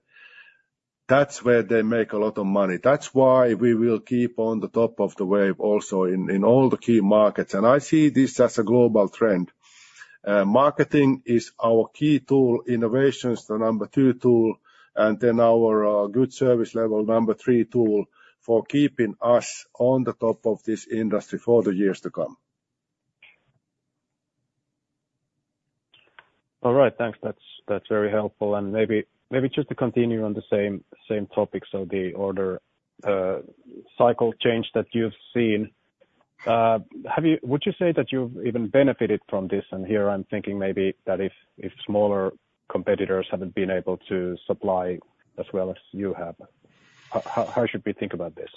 [SPEAKER 2] That's where they make a lot of money. That's why we will keep on the top of the wave also in in all the key markets. And I see this as a global trend. Marketing is our key tool, innovation is the number 2 tool, and then our good service level number 3 tool for keeping us on the top of this industry for the years to come.
[SPEAKER 7] All right, thanks. That's, that's very helpful. And maybe, maybe just to continue on the same, same topic, so the order cycle change that you've seen. Would you say that you've even benefited from this? And here, I'm thinking maybe that if, if smaller competitors haven't been able to supply as well as you have, how, how, how should we think about this?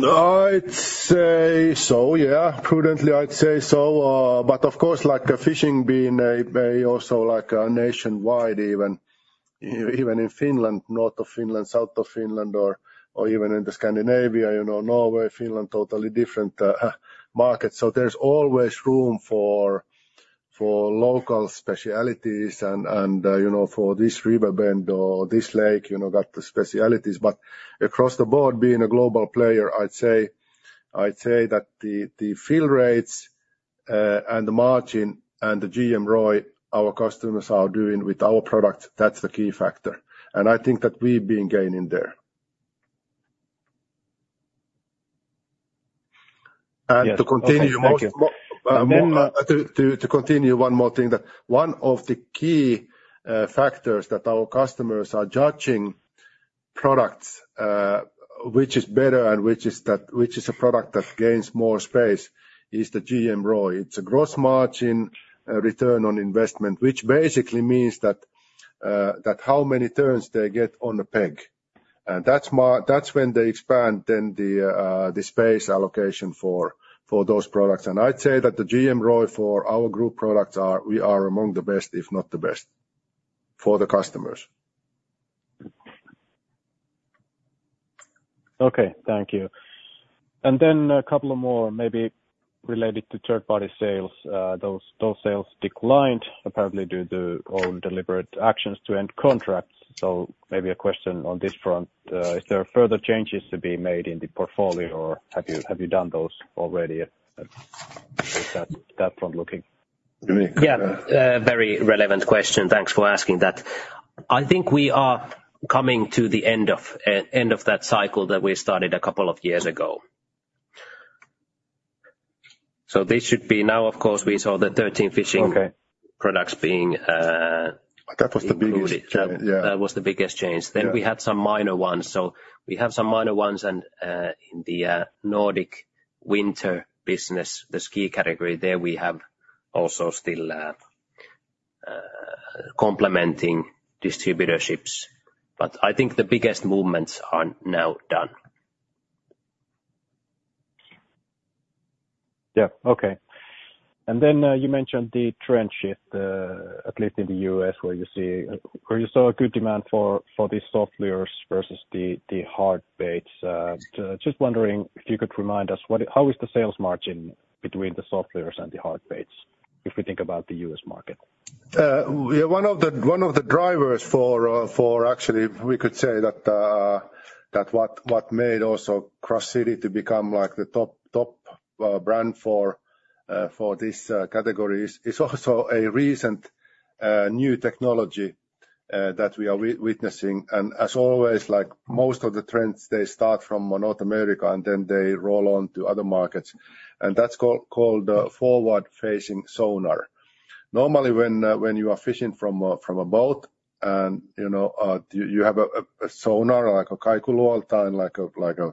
[SPEAKER 2] I'd say so, yeah, prudently, I'd say so. But of course, like fishing being a very also like a nationwide, even, even in Finland, north of Finland, south of Finland, or, or even in Scandinavia, you know, Norway, Finland, totally different, market. So there's always room for, for local specialties and, and, you know, for this river bend or this lake, you know, got the specialties. But across the board, being a global player, I'd say, I'd say that the, the fill rates, and the margin and the GMROI, our customers are doing with our product, that's the key factor. And I think that we've been gaining there. And to continue more-
[SPEAKER 7] Thank you.
[SPEAKER 2] More to continue one more thing, that one of the key factors that our customers are judging products, which is better and which is a product that gains more space is the GMROI. It's a gross margin return on investment, which basically means that how many turns they get on a peg. And that's when they expand then the space allocation for those products. And I'd say that the GMROI for our group products are, we are among the best, if not the best for the customers.
[SPEAKER 7] Okay, thank you. Then a couple of more maybe related to third-party sales. Those sales declined, apparently due to own deliberate actions to end contracts. So maybe a question on this front, is there further changes to be made in the portfolio, or have you done those already? Is that front looking?
[SPEAKER 2] To me?
[SPEAKER 3] Yeah, very relevant question. Thanks for asking that. I think we are coming to the end of that cycle that we started a couple of years ago. So this should be now, of course, we saw the 13 Fishing-
[SPEAKER 7] Okay.
[SPEAKER 3] Products being,
[SPEAKER 2] That was the biggest change, yeah.
[SPEAKER 3] That was the biggest change.
[SPEAKER 2] Yeah.
[SPEAKER 3] Then we had some minor ones. So we have some minor ones, and in the Nordic winter business, the ski category, there we have also still complementing distributorships. But I think the biggest movements are now done.
[SPEAKER 7] Yeah, okay. And then, you mentioned the trend shift, at least in the U.S., where you see, where you saw a good demand for, for these soft lures versus the, the hard baits. So just wondering if you could remind us, what is, how is the sales margin between the soft lures and the hard baits, if we think about the U.S. market?
[SPEAKER 2] Yeah, one of the, one of the drivers for, for actually, we could say that, that what, what made also CrushCity to become like the top, top, brand for, for this, category is, is also a recent, new technology, that we are witnessing. As always, like most of the trends, they start from North America, and then they roll on to other markets, and that's called a forward-facing sonar. Normally, when, when you are fishing from a, from a boat and, you know, you, you have a, a sonar, like a...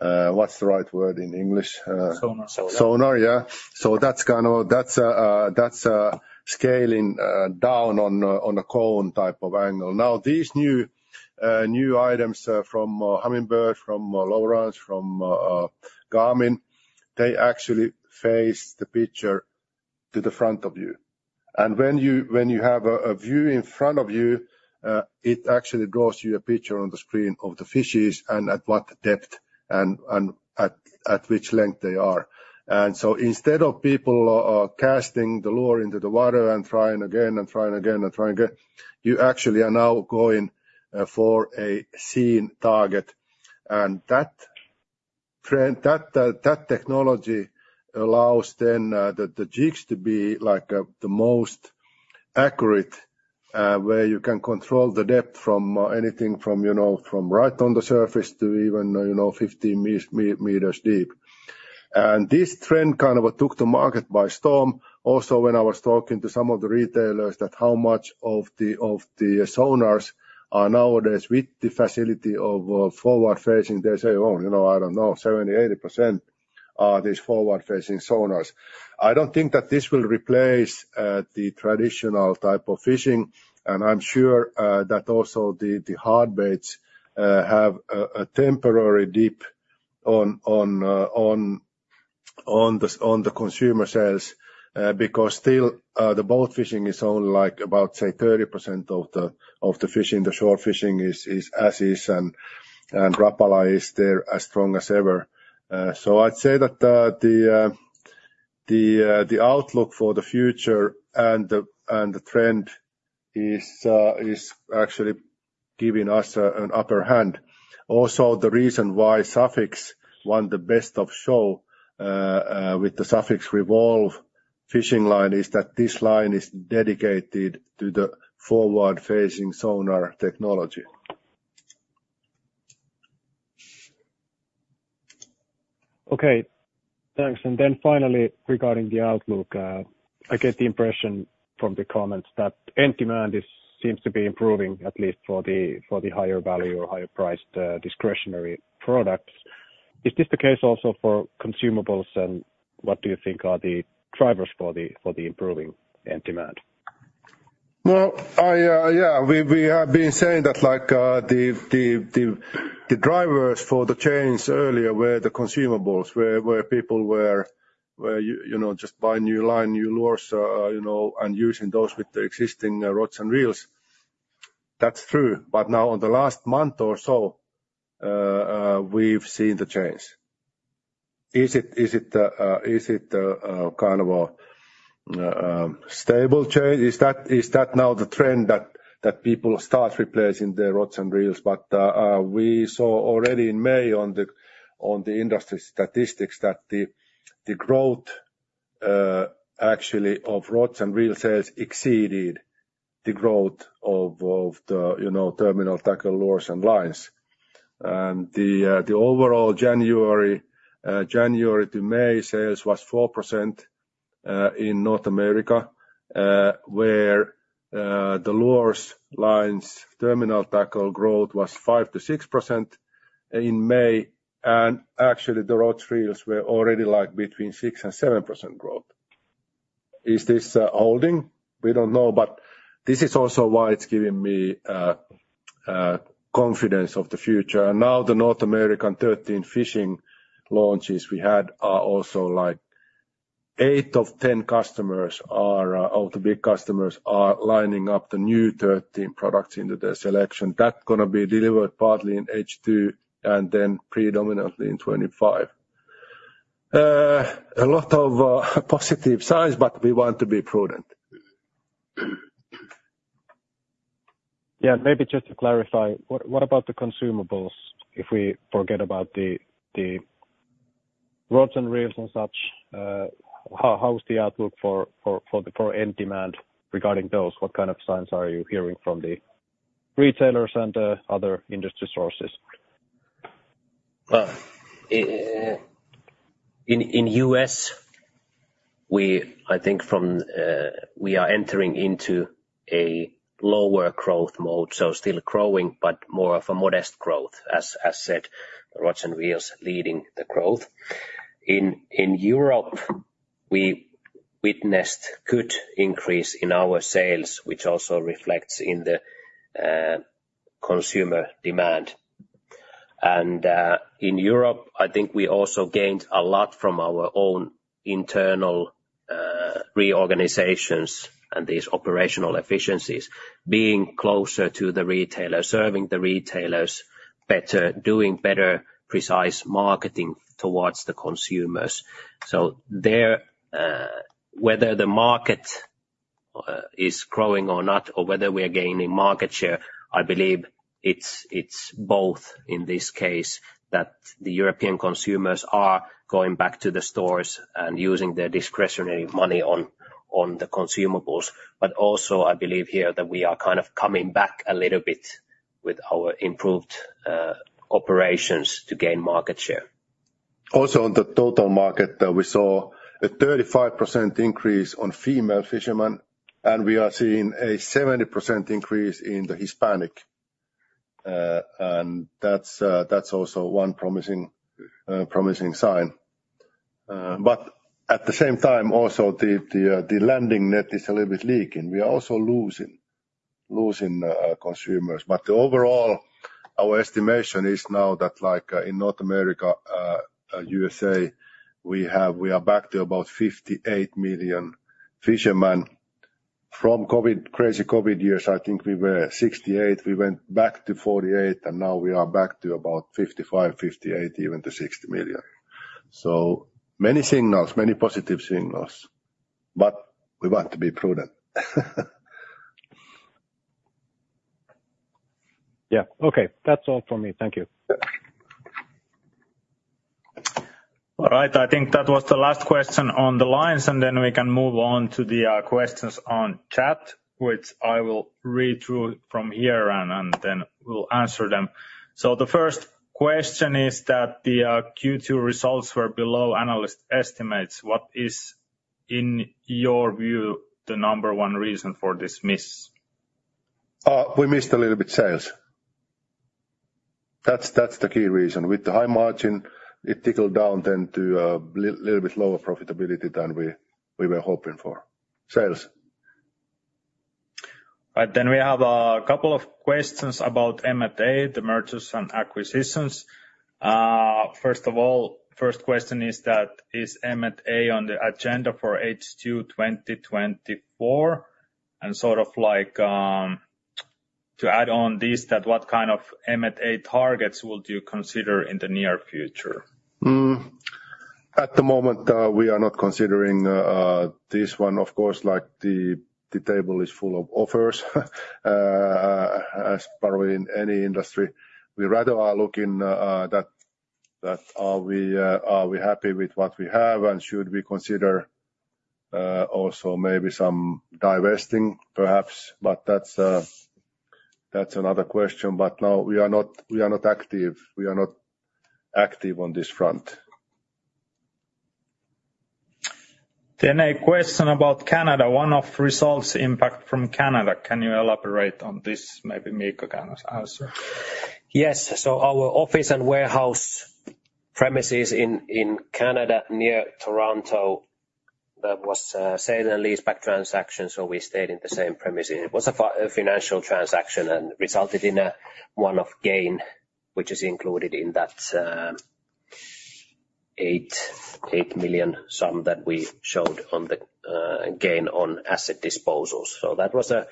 [SPEAKER 2] what's the right word in English?
[SPEAKER 7] Sonar.
[SPEAKER 2] Sonar, yeah. So that's kind of scaling down on a cone type of angle. Now, these new items from Humminbird, from Lowrance, from Garmin, they actually face the picture to the front of you. And when you have a view in front of you, it actually draws you a picture on the screen of the fishes and at what depth and at which length they are. And so instead of people casting the lure into the water and trying again, and trying again, and trying again, you actually are now going for a seen target. That trend, that technology allows then the jigs to be like the most accurate, where you can control the depth from anything from, you know, from right on the surface to even, you know, 15 meters deep. And this trend kind of took the market by storm. Also, when I was talking to some of the retailers that how much of the sonars are nowadays with the facility of forward-facing, they say, "Oh, you know, I don't know, 70%-80% are these forward-facing sonars." I don't think that this will replace the traditional type of fishing, and I'm sure that also the hard baits have a temporary dip on the consumer sales. Because still, the boat fishing is only like about, say, 30% of the fishing. The shore fishing is as is, and Rapala is there as strong as ever. So I'd say that the outlook for the future and the trend is actually giving us an upper hand. Also, the reason why Sufix won the best of show with the Sufix Revolve fishing line is that this line is dedicated to the forward-facing sonar technology.
[SPEAKER 7] Okay, thanks. And then finally, regarding the outlook, I get the impression from the comments that end demand seems to be improving, at least for the higher value or higher priced discretionary products. Is this the case also for consumables? And what do you think are the drivers for the improving end demand?
[SPEAKER 2] Well, yeah, we have been saying that like, the drivers for the change earlier were the consumables, where people were, you know, just buy new line, new lures, you know, and using those with the existing rods and reels. That's true. But now, on the last month or so, we've seen the change. Is it a kind of a stable change? Is that now the trend that people start replacing their rods and reels? But we saw already in May on the industry statistics that the growth, actually, of rods and reels sales exceeded the growth of the, you know, terminal tackle lures and lines. The overall January to May sales was 4% in North America, where the lures, lines, terminal tackle growth was 5%-6% in May, and actually, the rods, reels were already like between 6%-7% growth. Is this holding? We don't know, but this is also why it's giving me confidence of the future. And now, the North American 13 Fishing launches we had are also like, 8 of 10 of the big customers are lining up the new 13 products into their selection. That gonna be delivered partly in H2 and then predominantly in 2025. A lot of positive signs, but we want to be prudent.
[SPEAKER 7] Yeah, maybe just to clarify, what about the consumables? If we forget about the rods and reels and such, how is the outlook for the end demand regarding those? What kind of signs are you hearing from the retailers and other industry sources?
[SPEAKER 3] Well, in the U.S., I think we are entering into a lower growth mode, so still growing, but more of a modest growth. As said, rods and reels leading the growth. In Europe, we witnessed good increase in our sales, which also reflects in the consumer demand. In Europe, I think we also gained a lot from our own internal reorganizations and these operational efficiencies, being closer to the retailer, serving the retailers better, doing better, precise marketing towards the consumers. So, there, whether the market is growing or not, or whether we are gaining market share, I believe it's both in this case, that the European consumers are going back to the stores and using their discretionary money on the consumables. But also, I believe here that we are kind of coming back a little bit with our improved operations to gain market share.
[SPEAKER 2] Also on the total market, we saw a 35% increase on female fishermen, and we are seeing a 70% increase in the Hispanic. And that's also one promising, promising sign. But at the same time, also, the landing net is a little bit leaking. We are also losing consumers. But overall, our estimation is now that, like, in North America, USA, we have—we are back to about 58 million fishermen from COVID, crazy COVID years, I think we were 68, we went back to 48, and now we are back to about 55, 58, even to 60 million. So many signals, many positive signals, but we want to be prudent.
[SPEAKER 7] Yeah, okay. That's all for me. Thank you.
[SPEAKER 1] All right. I think that was the last question on the lines, and then we can move on to the questions on chat, which I will read through from here, and then we'll answer them. So the first question is that the Q2 results were below analyst estimates. What is, in your view, the number one reason for this miss?
[SPEAKER 2] We missed a little bit sales. That's the key reason. With the high margin, it trickled down then to a little bit lower profitability than we were hoping for. Sales.
[SPEAKER 1] Right, then we have a couple of questions about M&A, the mergers and acquisitions. First of all, first question is that, is M&A on the agenda for H2 2024? And sort of like, to add on this, that what kind of M&A targets would you consider in the near future?
[SPEAKER 2] At the moment, we are not considering this one. Of course, like, the table is full of offers, as probably in any industry. We rather are looking that are we happy with what we have? And should we consider also maybe some divesting, perhaps, but that's another question. But no, we are not, we are not active, we are not active on this front.
[SPEAKER 1] Then a question about Canada, one-off results impact from Canada. Can you elaborate on this? Maybe Miikka can answer.
[SPEAKER 3] Yes, so our office and warehouse premises in Canada, near Toronto, that was a sale and lease back transaction, so we stayed in the same premises. It was a financial transaction and resulted in a one-off gain, which is included in that 8 million sum that we showed on the gain on asset disposals. So that was a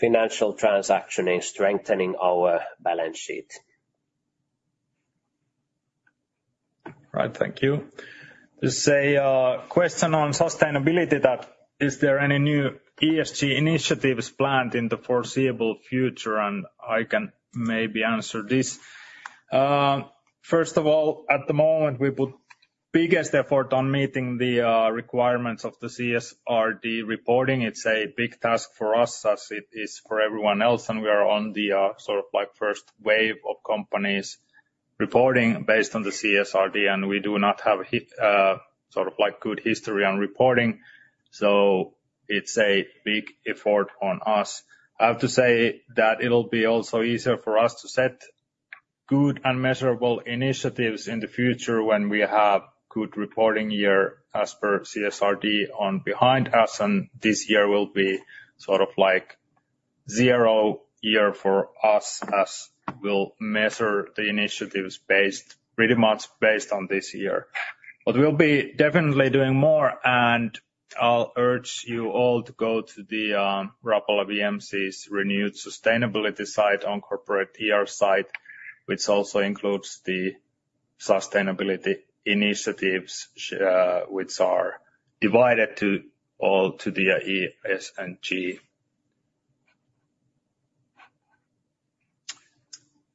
[SPEAKER 3] financial transaction in strengthening our balance sheet.
[SPEAKER 1] Right. Thank you. There's a question on sustainability, that is, is there any new ESG initiatives planned in the foreseeable future? And I can maybe answer this. First of all, at the moment, we put biggest effort on meeting the requirements of the CSRD reporting. It's a big task for us, as it is for everyone else, and we are on the sort of like first wave of companies reporting based on the CSRD, and we do not have a sort of like good history on reporting, so it's a big effort on us. I have to say that it'll be also easier for us to set good and measurable initiatives in the future when we have good reporting year as per CSRD once behind us, and this year will be sort of like zero year for us, as we'll measure the initiatives pretty much based on this year. But we'll be definitely doing more, and I'll urge you all to go to the Rapala VMC's renewed sustainability site on corporate site, which also includes the sustainability initiatives, which are divided into the E, S, and G.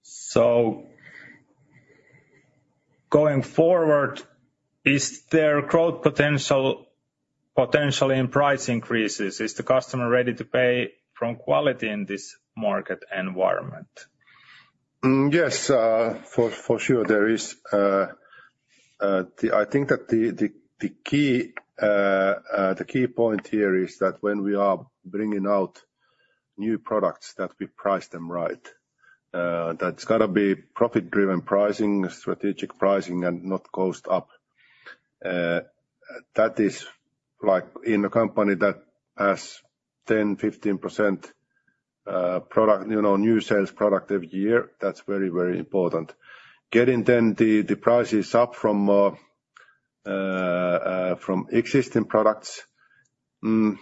[SPEAKER 1] So going forward, is there growth potential, potentially in price increases? Is the customer ready to pay for quality in this market environment?
[SPEAKER 2] Yes, for sure, there is. I think that the key point here is that when we are bringing out new products, that we price them right. That's gotta be profit-driven pricing, strategic pricing, and not cost up. That is like in a company that has 10, 15% product, you know, new sales product every year, that's very, very important. Getting then the prices up from existing products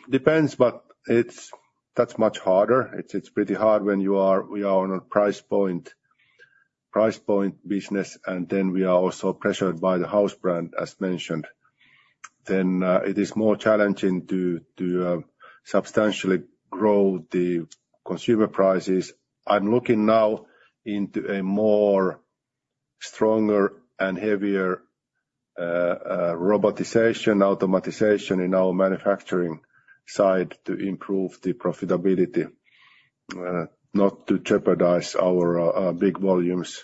[SPEAKER 2] depends, but that's much harder. It's pretty hard when we are on a price point, price point business, and then we are also pressured by the house brand, as mentioned. Then, it is more challenging to substantially grow the consumer prices. I'm looking now into a more stronger and heavier robotization, automatization in our manufacturing side to improve the profitability, not to jeopardize our big volumes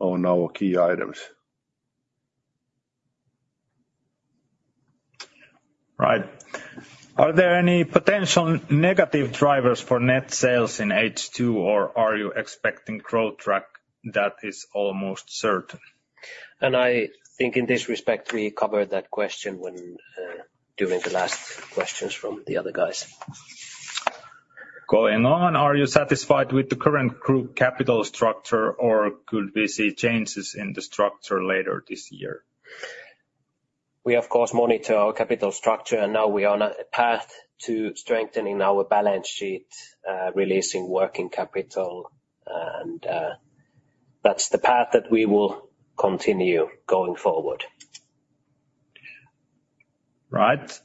[SPEAKER 2] on our key items.
[SPEAKER 1] Right. Are there any potential negative drivers for net sales in H2, or are you expecting growth track that is almost certain?
[SPEAKER 3] I think in this respect, we covered that question when, during the last questions from the other guys.
[SPEAKER 1] Going on, are you satisfied with the current group capital structure, or could we see changes in the structure later this year?
[SPEAKER 3] We, of course, monitor our capital structure, and now we are on a path to strengthening our balance sheet, releasing working capital, and that's the path that we will continue going forward.
[SPEAKER 1] Right.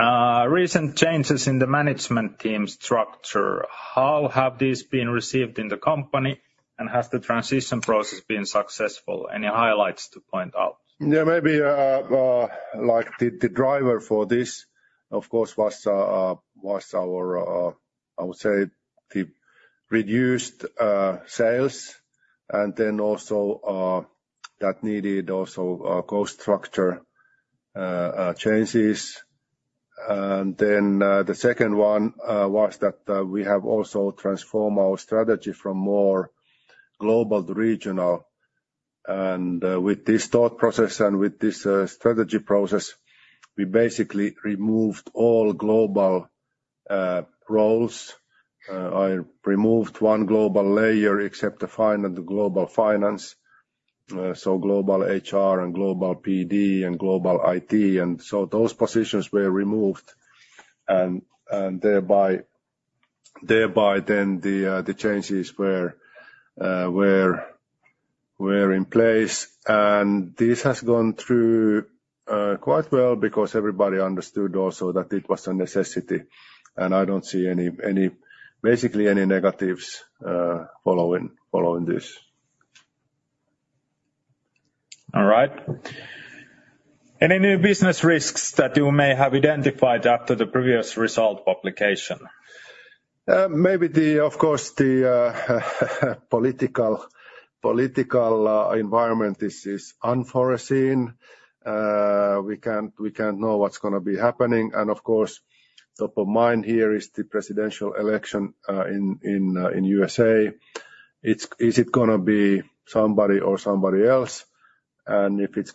[SPEAKER 1] Recent changes in the management team structure, how have these been received in the company, and has the transition process been successful? Any highlights to point out?
[SPEAKER 2] Yeah, maybe, like, the driver for this, of course, was our, I would say, the reduced sales, and then also, that needed also cost structure changes. And then, the second one was that we have also transformed our strategy from more global to regional. And, with this thought process and with this strategy process, we basically removed all global roles. I removed one global layer except the finance, the global finance, so global HR, and global PD, and global IT. And so those positions were removed, and thereby then the changes were in place. And this has gone through quite well because everybody understood also that it was a necessity, and I don't see any basically any negatives following this.
[SPEAKER 1] All right. Any new business risks that you may have identified after the previous result publication?
[SPEAKER 2] Maybe, of course, the political environment. This is unforeseen. We can't know what's gonna be happening. And of course, top of mind here is the presidential election in USA. Is it gonna be somebody or somebody else? And if it's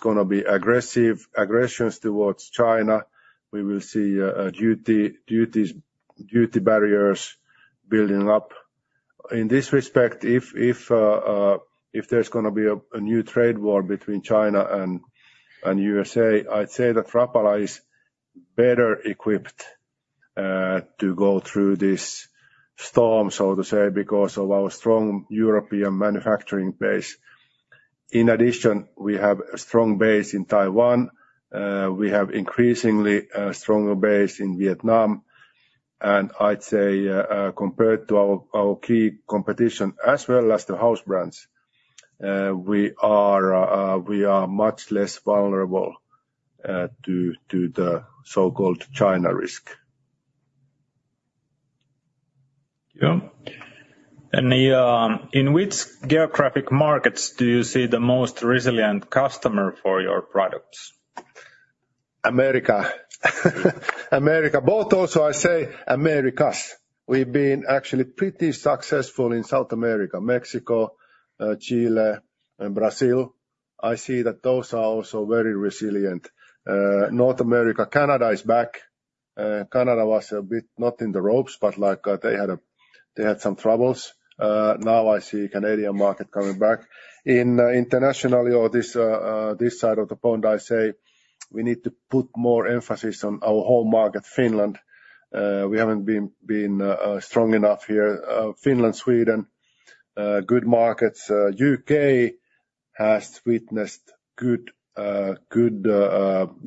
[SPEAKER 2] gonna be aggressions towards China, we will see duty barriers building up. In this respect, if there's gonna be a new trade war between China and USA, I'd say that Rapala is better equipped to go through this storm, so to say, because of our strong European manufacturing base. In addition, we have a strong base in Taiwan. We have increasingly stronger base in Vietnam, and I'd say, compared to our key competition as well as the house brands, we are much less vulnerable to the so-called China risk.
[SPEAKER 1] Yeah. And, in which geographic markets do you see the most resilient customer for your products?
[SPEAKER 2] America. America. Both also, I say Americas. We've been actually pretty successful in South America, Mexico, Chile, and Brazil. I see that those are also very resilient. North America, Canada is back. Canada was a bit not in the ropes, but like, they had some troubles. Now I see Canadian market coming back. Internationally or this side of the pond, I say we need to put more emphasis on our home market, Finland. We haven't been strong enough here. Finland, Sweden, good markets. UK has witnessed good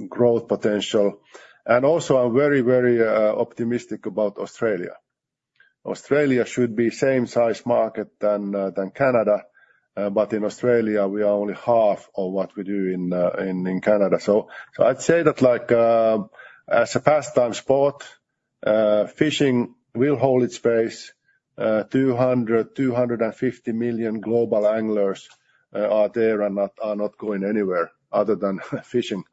[SPEAKER 2] growth potential, and also I'm very optimistic about Australia. Australia should be same size market than Canada, but in Australia, we are only half of what we do in Canada. I'd say that like, as a pastime sport, fishing will hold its base, 250 million global anglers are there and are not going anywhere other than fishing.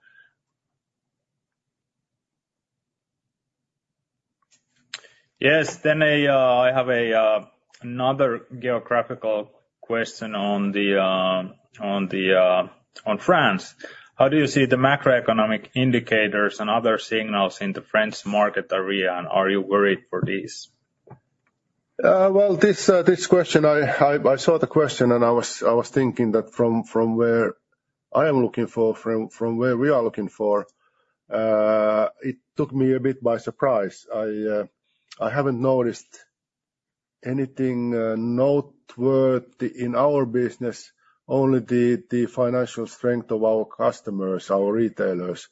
[SPEAKER 1] Yes. Then I have another geographical question on France. How do you see the macroeconomic indicators and other signals in the French market area, and are you worried for these?
[SPEAKER 2] Well, this question I saw the question, and I was thinking that from where we are looking, it took me a bit by surprise. I haven't noticed anything noteworthy in our business, only the financial strength of our customers, our retailers,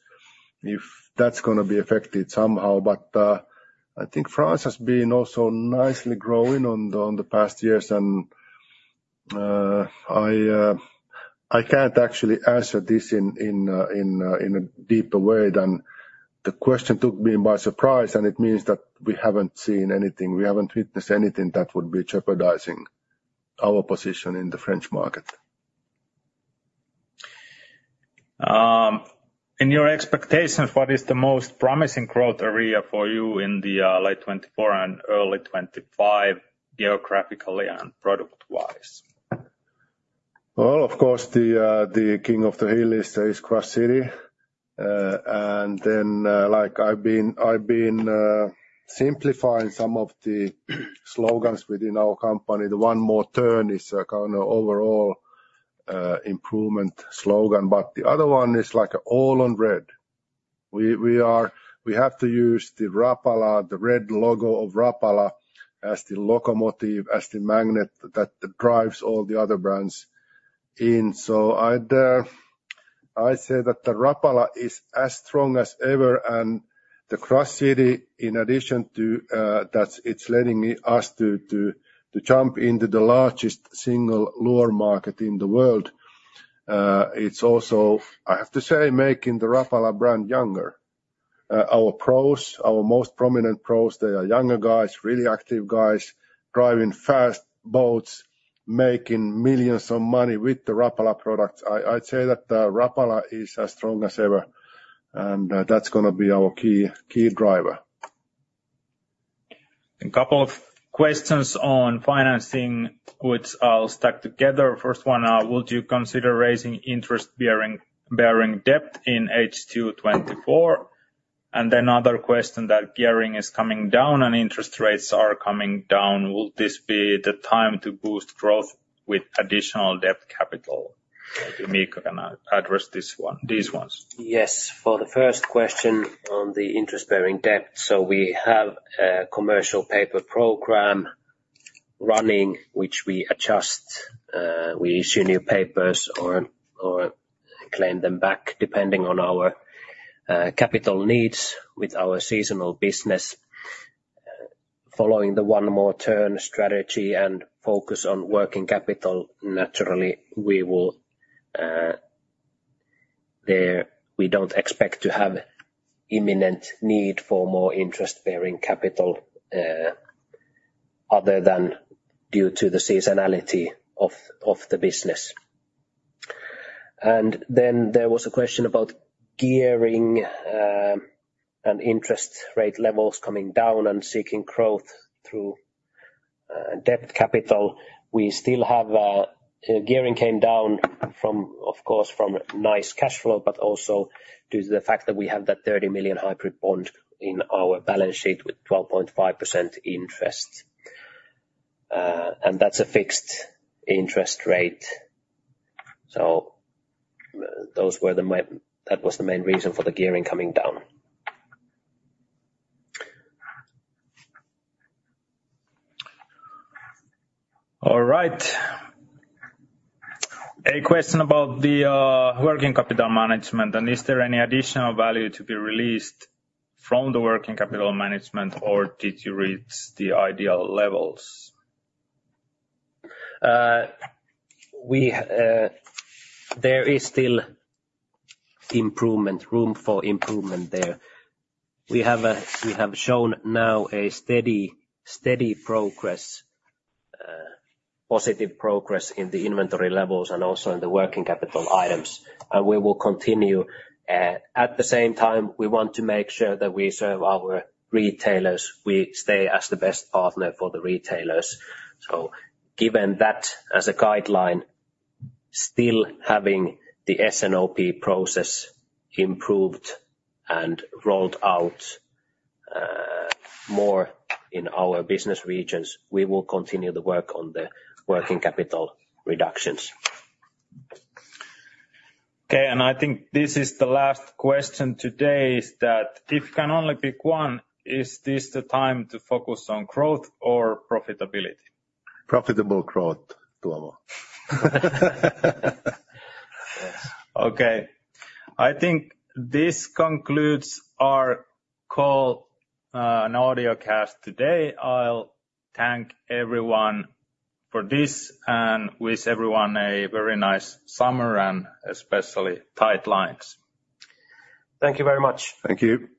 [SPEAKER 2] if that's gonna be affected somehow. But I think France has been also nicely growing on the past years, and I can't actually answer this in a deeper way than the question took me by surprise, and it means that we haven't seen anything, we haven't witnessed anything that would be jeopardizing our position in the French market.
[SPEAKER 1] In your expectations, what is the most promising growth area for you in the late 2024 and early 2025, geographically and product-wise?
[SPEAKER 2] Well, of course, the king of the hill is CrushCity. And then, like, I've been simplifying some of the slogans within our company. The One More Turn is a kind of overall improvement slogan, but the other one is like an all on red. We have to use the Rapala, the red logo of Rapala, as the locomotive, as the magnet that drives all the other brands in. So I'd say that the Rapala is as strong as ever, and the CrushCity, in addition to that, it's letting us to jump into the largest single lure market in the world. It's also, I have to say, making the Rapala brand younger. Our pros, our most prominent pros, they are younger guys, really active guys, driving fast boats, making millions of money with the Rapala products. I, I'd say that, Rapala is as strong as ever, and, that's gonna be our key, key driver.
[SPEAKER 1] A couple of questions on financing, which I'll stack together. First one: would you consider raising interest bearing, bearing debt in H2 2024? And then another question, that gearing is coming down and interest rates are coming down, will this be the time to boost growth with additional debt capital? Miikka, can address this one, these ones.
[SPEAKER 3] Yes. For the first question on the interest-bearing debt, so we have a commercial paper program running, which we adjust, we issue new papers or claim them back, depending on our capital needs with our seasonal business. Following the One More Turn strategy and focus on working capital, naturally, we will, we don't expect to have imminent need for more interest-bearing capital, other than due to the seasonality of the business. And then there was a question about gearing, and interest rate levels coming down and seeking growth through debt capital. We still have, gearing came down from, of course, from nice cash flow, but also due to the fact that we have that 30 million hybrid bond in our balance sheet with 12.5% interest. And that's a fixed interest rate. So that was the main reason for the gearing coming down.
[SPEAKER 1] All right. A question about the working capital management, and is there any additional value to be released from the working capital management, or did you reach the ideal levels?
[SPEAKER 3] There is still room for improvement there. We have, we have shown now a steady, steady progress, positive progress in the inventory levels and also in the working capital items, and we will continue. At the same time, we want to make sure that we serve our retailers, we stay as the best partner for the retailers. So, given that as a guideline, still having the S&OP process improved and rolled out more in our business regions, we will continue the work on the working capital reductions.
[SPEAKER 1] Okay, and I think this is the last question today, is that if you can only pick one, is this the time to focus on growth or profitability?
[SPEAKER 2] Profitable growth, Tuomo.
[SPEAKER 1] Okay, I think this concludes our call and audio cast today. I'll thank everyone for this and wish everyone a very nice summer, and especially tight lines.
[SPEAKER 3] Thank you very much.
[SPEAKER 2] Thank you.